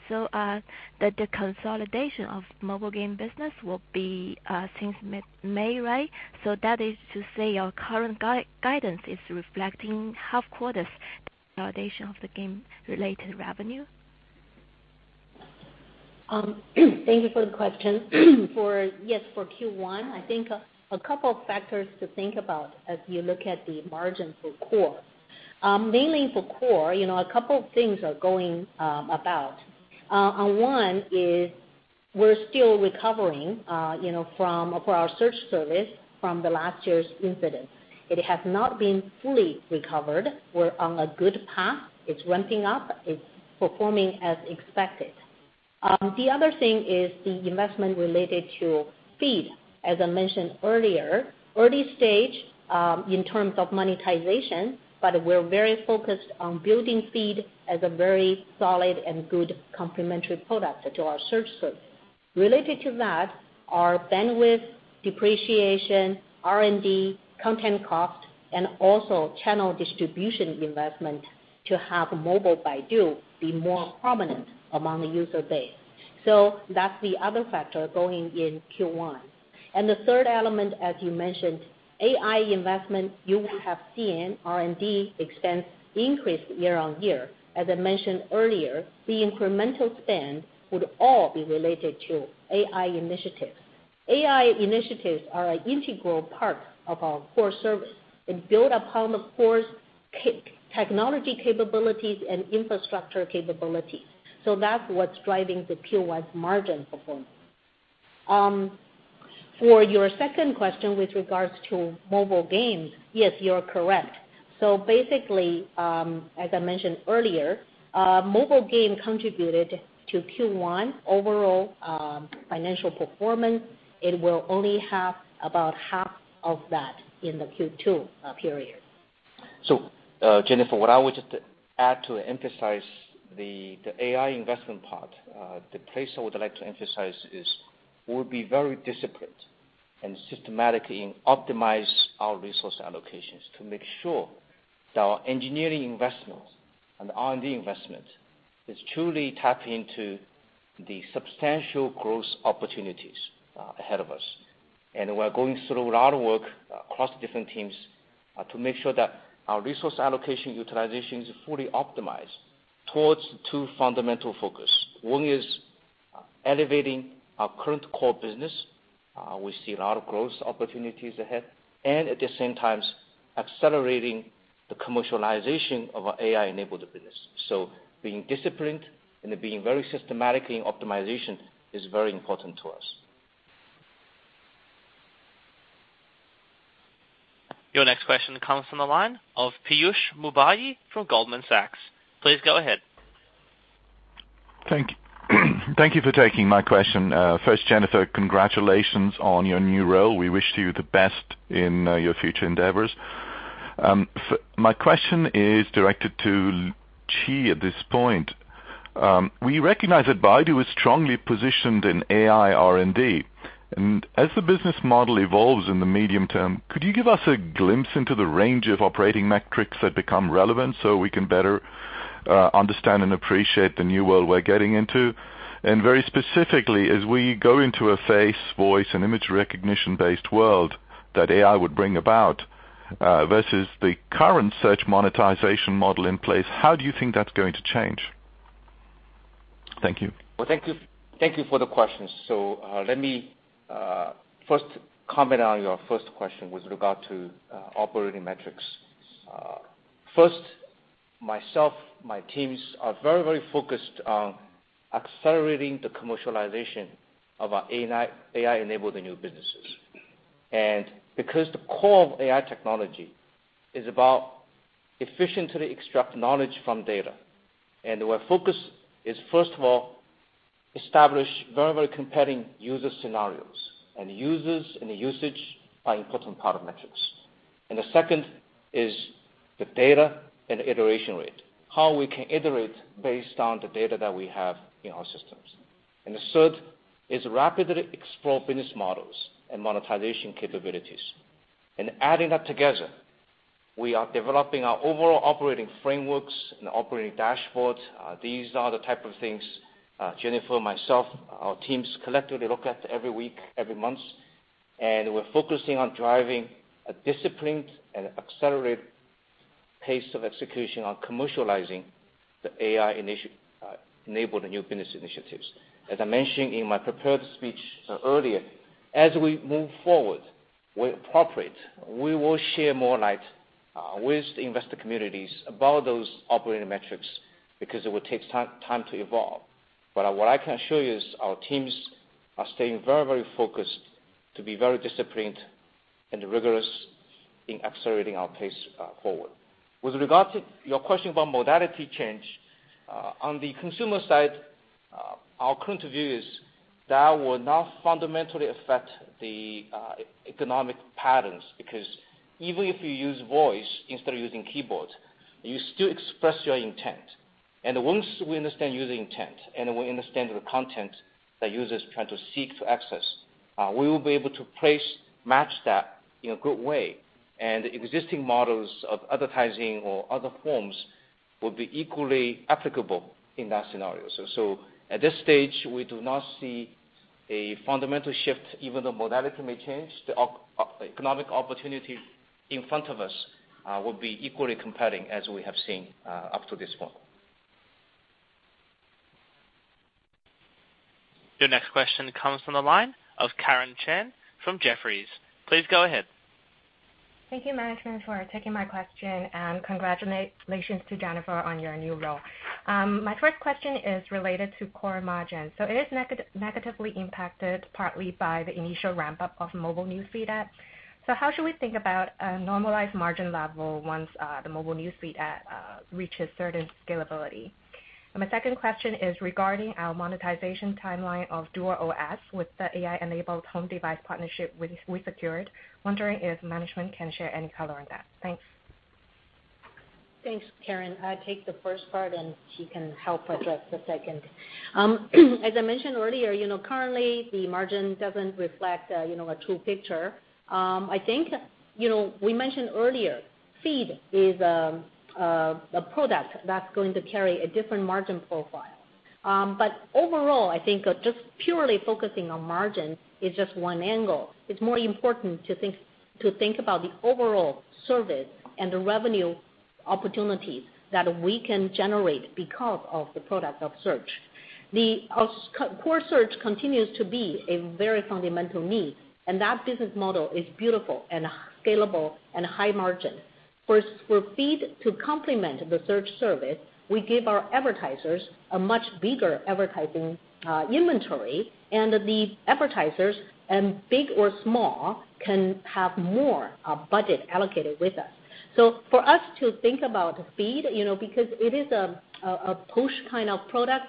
so that the consolidation of mobile game business will be since May, right? So that is to say your current guidance is reflecting half quarters consolidation of the game related revenue? Thank you for the question. Yes, for Q1, I think a couple of factors to think about as you look at the margin for core. Mainly for core, a couple of things are going about. One is we're still recovering for our search service from the last year's incident. It has not been fully recovered. We're on a good path. It's ramping up. It's performing as expected. The other thing is the investment related to feed. As I mentioned earlier, early stage in terms of monetization, but we're very focused on building feed as a very solid and good complementary product to our search service. Related to that are bandwidth, depreciation, R&D, content cost, and also channel distribution investment to have Baidu App be more prominent among the user base. That's the other factor going in Q1. The third element, as you mentioned, AI investment, you would have seen R&D expense increase year-on-year. As I mentioned earlier, the incremental spend would all be related to AI initiatives. AI initiatives are an integral part of our core service and build upon the core technology capabilities and infrastructure capabilities. That's what's driving the Q1 margin performance. For your second question with regards to mobile games, yes, you are correct. Basically, as I mentioned earlier, mobile game contributed to Q1 overall financial performance. It will only have about half of that in the Q2 period. Jennifer, what I would just add to emphasize the AI investment part, the place I would like to emphasize is we'll be very disciplined and systematically optimize our resource allocations to make sure that our engineering investments and R&D investment is truly tapped into the substantial growth opportunities ahead of us. We are going through a lot of work across different teams to make sure that our resource allocation utilization is fully optimized towards two fundamental focus. One is elevating our current core business. We see a lot of growth opportunities ahead and at the same time accelerating the commercialization of our AI enabled business. Being disciplined and being very systematic in optimization is very important to us. Your next question comes from the line of Piyush Mubayi from Goldman Sachs. Please go ahead. Thank you for taking my question. First, Jennifer, congratulations on your new role. We wish you the best in your future endeavors. My question is directed to Qi at this point. We recognize that Baidu is strongly positioned in AI R&D. As the business model evolves in the medium term, could you give us a glimpse into the range of operating metrics that become relevant so we can better understand and appreciate the new world we're getting into? Very specifically, as we go into a face, voice, and image recognition based world that AI would bring about versus the current search monetization model in place, how do you think that's going to change? Thank you. Thank you for the question. Let me first comment on your first question with regard to operating metrics. First Myself, my teams are very focused on accelerating the commercialization of our AI-enabled new businesses. Because the core of AI technology is about efficiently extract knowledge from data, and our focus is, first of all, establish very compelling user scenarios, and users and usage are important part of metrics. The second is the data and iteration rate, how we can iterate based on the data that we have in our systems. The third is rapidly explore business models and monetization capabilities. Adding that together, we are developing our overall operating frameworks and operating dashboards. These are the type of things Jennifer, myself, our teams collectively look at every week, every month. We're focusing on driving a disciplined and accelerated pace of execution on commercializing the AI-enabled new business initiatives. As I mentioned in my prepared speech earlier, as we move forward, where appropriate, we will share more light with the investor communities about those operating metrics because it will take time to evolve. What I can assure you is our teams are staying very focused to be very disciplined and rigorous in accelerating our pace forward. With regard to your question about modality change, on the consumer side, our current view is that will not fundamentally affect the economic patterns because even if you use voice instead of using keyboard, you still express your intent. Once we understand user intent and we understand the content that users try to seek to access, we will be able to place match that in a good way, and existing models of advertising or other forms will be equally applicable in that scenario. At this stage, we do not see a fundamental shift even though modality may change. The economic opportunity in front of us will be equally compelling as we have seen up to this point. Your next question comes from the line of Karen Chen from Jefferies. Please go ahead. Thank you, management, for taking my question, and congratulations to Jennifer on your new role. My first question is related to core margin. It is negatively impacted partly by the initial ramp-up of mobile newsfeed app. How should we think about a normalized margin level once the mobile newsfeed app reaches certain scalability? My second question is regarding our monetization timeline of DuerOS with the AI-enabled home device partnership we secured. Wondering if management can share any color on that. Thanks. Thanks, Karen. I'll take the first part, and she can help address the second. As I mentioned earlier, currently the margin doesn't reflect a true picture. I think, we mentioned earlier, Feed is a product that's going to carry a different margin profile. Overall, I think just purely focusing on margin is just one angle. It's more important to think about the overall service and the revenue opportunities that we can generate because of the product of Search. Core Search continues to be a very fundamental need, and that business model is beautiful and scalable and high margin. For Feed to complement the Search service, we give our advertisers a much bigger advertising inventory, and the advertisers, big or small, can have more budget allocated with us. For us to think about Feed, because it is a push kind of product,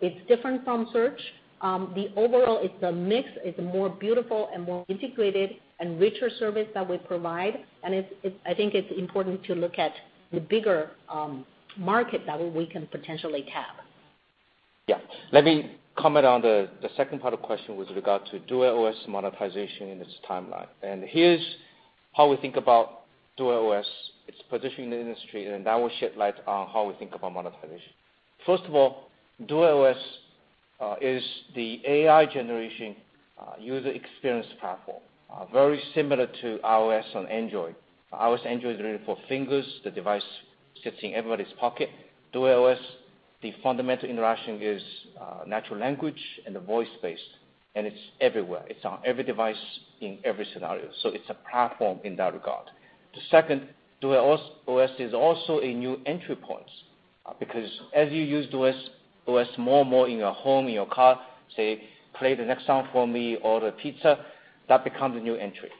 it's different from Search. The overall mix is more beautiful and more integrated and richer service that we provide, and I think it's important to look at the bigger market that we can potentially tap. Let me comment on the second part of question with regard to DuerOS monetization and its timeline. Here's how we think about DuerOS, its position in the industry, and that will shed light on how we think about monetization. First of all, DuerOS is the AI generation user experience platform very similar to iOS and Android. iOS, Android is really for fingers, the device sits in everybody's pocket. DuerOS, the fundamental interaction is natural language and voice-based, and it's everywhere. It's on every device in every scenario. It's a platform in that regard. The second, DuerOS is also a new entry point because as you use DuerOS more in your home, in your car, say, "Play the next song for me," or, "The pizza," that becomes a new entry.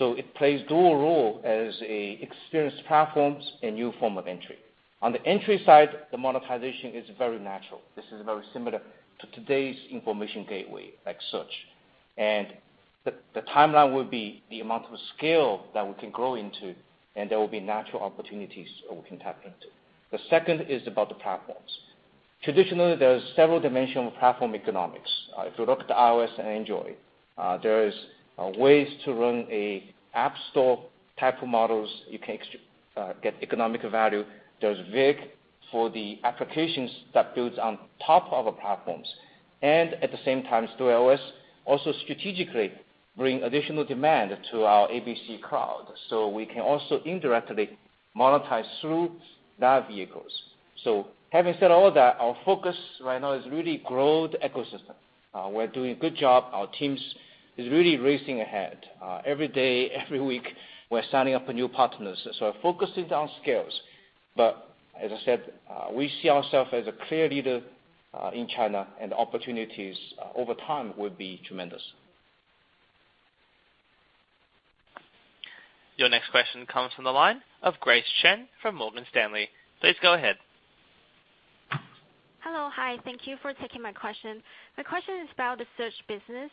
It plays dual role as experienced platforms and new form of entry. On the entry side, the monetization is very natural. This is very similar to today's information gateway like Search. The timeline will be the amount of scale that we can grow into, and there will be natural opportunities that we can tap into. The second is about the platforms. Traditionally, there's several dimension of platform economics. If you look at iOS and Android, there is ways to run a app store type of models. You can get economic value. There's VAS for the applications that builds on top of a platforms. At the same time, DuerOS also strategically bring additional demand to our ABC Cloud. We can also indirectly monetize through that vehicle. Having said all that, our focus right now is really grow the ecosystem. We're doing a good job. Our team is really racing ahead. Every day, every week, we're signing up new partners. Focusing on scales. As I said, we see ourself as a clear leader in China, and opportunities over time will be tremendous. Your next question comes from the line of Grace Chen from Morgan Stanley. Please go ahead. Hello. Hi, thank you for taking my question. My question is about the search business.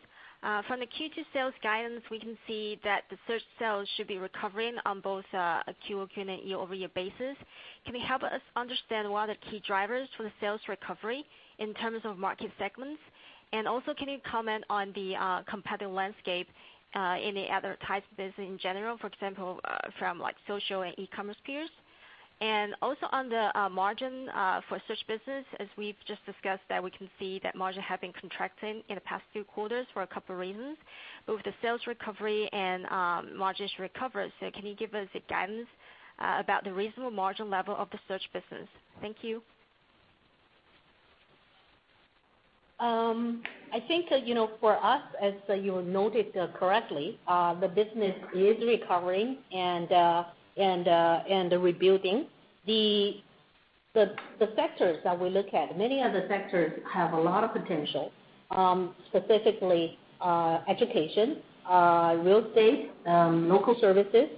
From the Q2 sales guidance, we can see that the search sales should be recovering on both a quarter-over-quarter and year-over-year basis. Can you help us understand what are the key drivers for the sales recovery in terms of market segments? Can you comment on the competitive landscape in the other types of business in general, for example, from social and e-commerce peers? On the margin for search business, as we've just discussed, that we can see that margin has been contracting in the past few quarters for a couple of reasons, with the sales recovery and margins recovery. Can you give us a guidance about the reasonable margin level of the search business? Thank you. I think, for us, as you noted correctly, the business is recovering and rebuilding. The sectors that we look at, many of the sectors have a lot of potential. Specifically education, real estate, local services,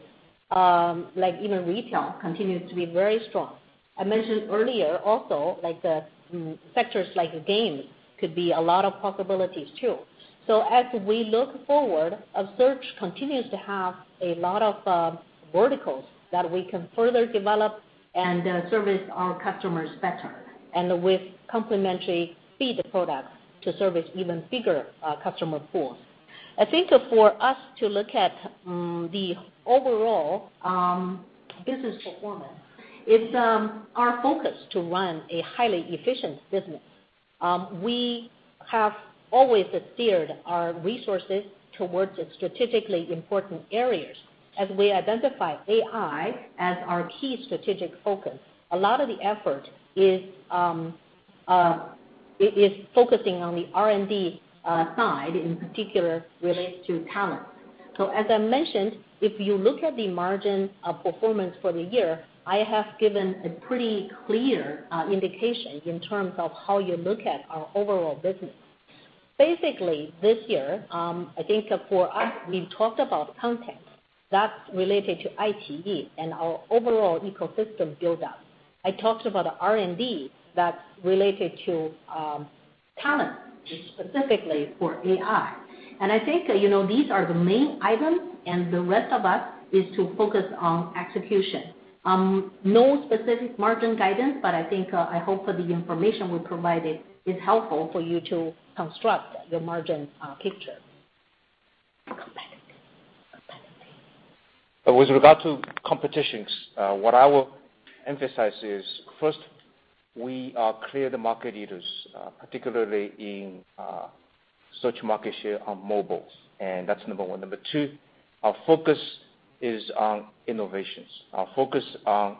even retail continues to be very strong. I mentioned earlier also, sectors like games could be a lot of possibilities, too. As we look forward, our search continues to have a lot of verticals that we can further develop and service our customers better, and with complementary feed products to service even bigger customer pools. I think for us to look at the overall business performance, it's our focus to run a highly efficient business. We have always steered our resources towards the strategically important areas as we identify AI as our key strategic focus. A lot of the effort is focusing on the R&D side, in particular related to talent. As I mentioned, if you look at the margin of performance for the year, I have given a pretty clear indication in terms of how you look at our overall business. Basically, this year, I think for us, we've talked about content. That's related to iQIYI and our overall ecosystem buildup. I talked about R&D, that's related to talent, specifically for AI. I think these are the main items, and the rest of us is to focus on execution. No specific margin guidance, but I think, I hope that the information we provided is helpful for you to construct your margin picture. With regard to competitions, what I will emphasize is first, we are clear the market leaders, particularly in search market share on mobile, and that's number one. Number 2, our focus is on innovations. Our focus on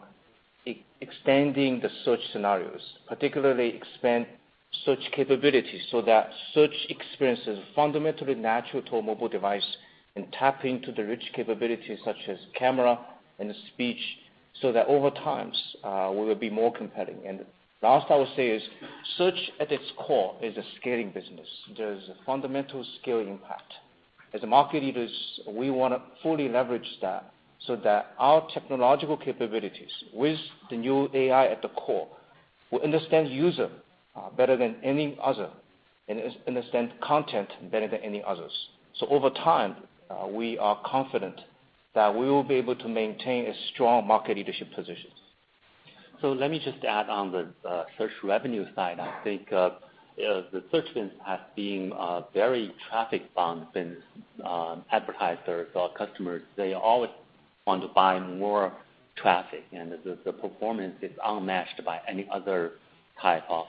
extending the search scenarios, particularly expand search capabilities so that search experience is fundamentally natural to a mobile device, and tapping to the rich capabilities such as camera and speech, so that over time, we will be more compelling. Last, I will say is search at its core is a scaling business. There's a fundamental scaling impact. As market leaders, we want to fully leverage that so that our technological capabilities with the new AI at the core will understand user better than any other, and understand content better than any others. Over time, we are confident that we will be able to maintain a strong market leadership position. Let me just add on the search revenue side. I think the search business has been a very traffic-bound business. Advertisers or customers, they always want to buy more traffic, and the performance is unmatched by any other type of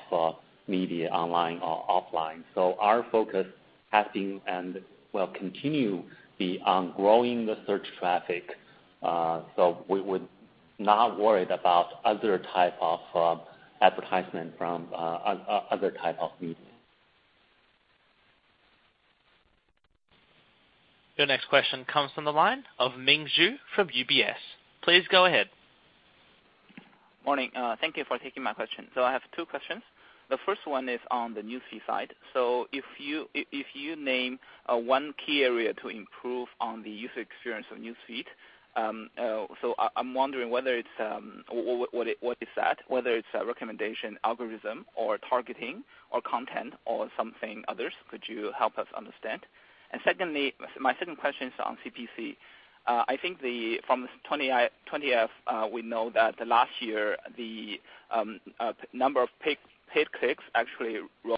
media online or offline. Our focus has been, and will continue be on growing the search traffic. We would not worried about other type of advertisement from other type of media. Your next question comes from the line of Ming Zhu from UBS. Please go ahead. Morning. Thank you for taking my question. I have two questions. The first one is on the Newsfeed side. If you name one key area to improve on the user experience of Newsfeed, I'm wondering what is that, whether it's a recommendation algorithm or targeting or content or something others. Could you help us understand? Secondly, my second question is on CPC. I think from this 20-F, we know that the last year, the number of paid clicks actually grew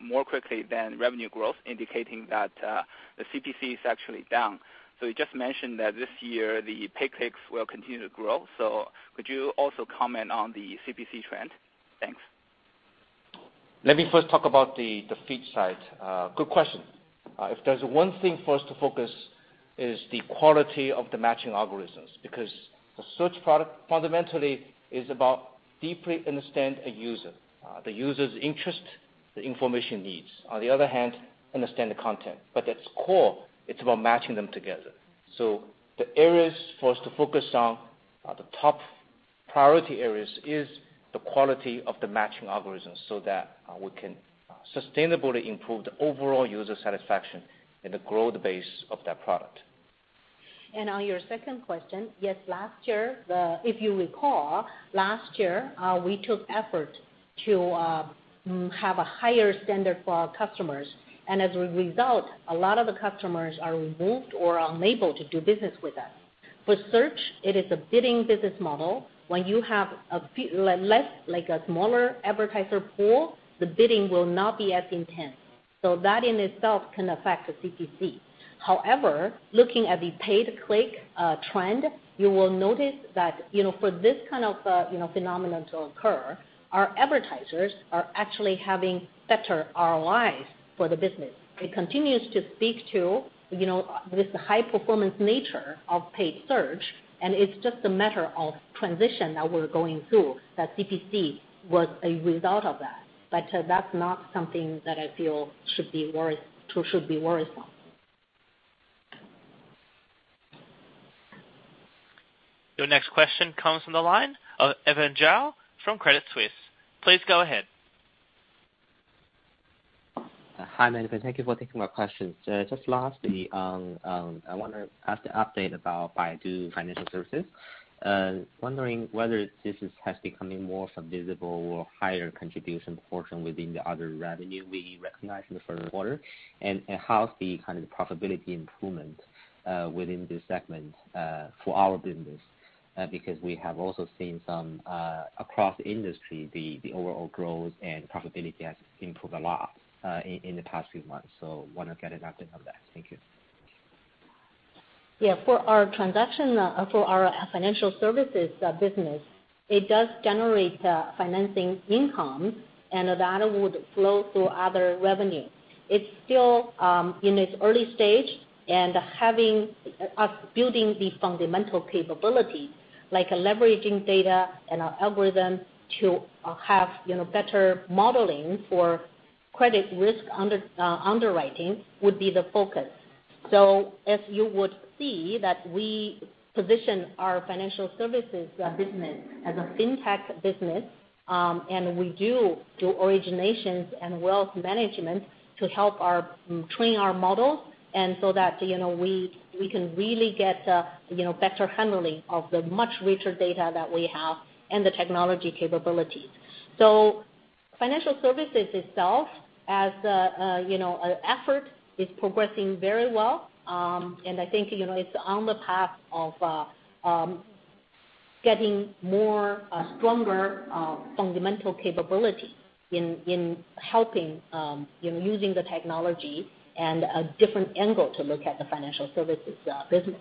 more quickly than revenue growth, indicating that the CPC is actually down. You just mentioned that this year, the paid clicks will continue to grow. Could you also comment on the CPC trend? Thanks. Let me first talk about the feed side. Good question. If there's one thing for us to focus is the quality of the matching algorithms, because the search product fundamentally is about deeply understand a user, the user's interest, the information needs. On the other hand, understand the content. At its core, it's about matching them together. The areas for us to focus on, or the top priority areas, is the quality of the matching algorithms so that we can sustainably improve the overall user satisfaction and the growth base of that product. On your second question, yes, if you recall, last year, we took effort to have a higher standard for our customers. As a result, a lot of the customers are removed or are unable to do business with us. For Search, it is a bidding business model. When you have a smaller advertiser pool, the bidding will not be as intense. That in itself can affect the CPC. However, looking at the pay-to-click trend, you will notice that for this kind of phenomenon to occur, our advertisers are actually having better ROIs for the business. It continues to speak to this high-performance nature of paid search, and it's just a matter of transition that we're going through, that CPC was a result of that. That's not something that I feel should be worrisome. Your next question comes from the line of Evan Zhao from Credit Suisse. Please go ahead. Hi, I'm Evan. Thank you for taking my questions. Just lastly, I want to ask the update about Baidu Financial Services. Wondering whether this has becoming more visible or higher contribution portion within the other revenue we recognize in the first quarter. How's the kind of profitability improvement within this segment for our business? Because we have also seen some, across the industry, the overall growth and profitability has improved a lot in the past few months. Want to get an update on that. Thank you. Yeah. For our Financial Services business, it does generate financing income, and that would flow through other revenue. It's still in its early stage, and us building the fundamental capability, like leveraging data and our algorithm to have better modeling for credit risk underwriting would be the focus. As you would see that we position our financial services business as a fintech business, and we do originations and wealth management to help train our models and so that we can really get better handling of the much richer data that we have and the technology capabilities. Financial services itself, as an effort, is progressing very well. I think it's on the path of getting more stronger fundamental capability in using the technology and a different angle to look at the financial services business.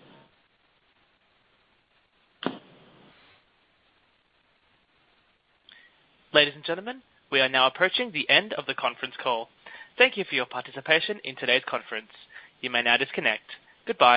Ladies and gentlemen, we are now approaching the end of the conference call. Thank you for your participation in today's conference. You may now disconnect. Goodbye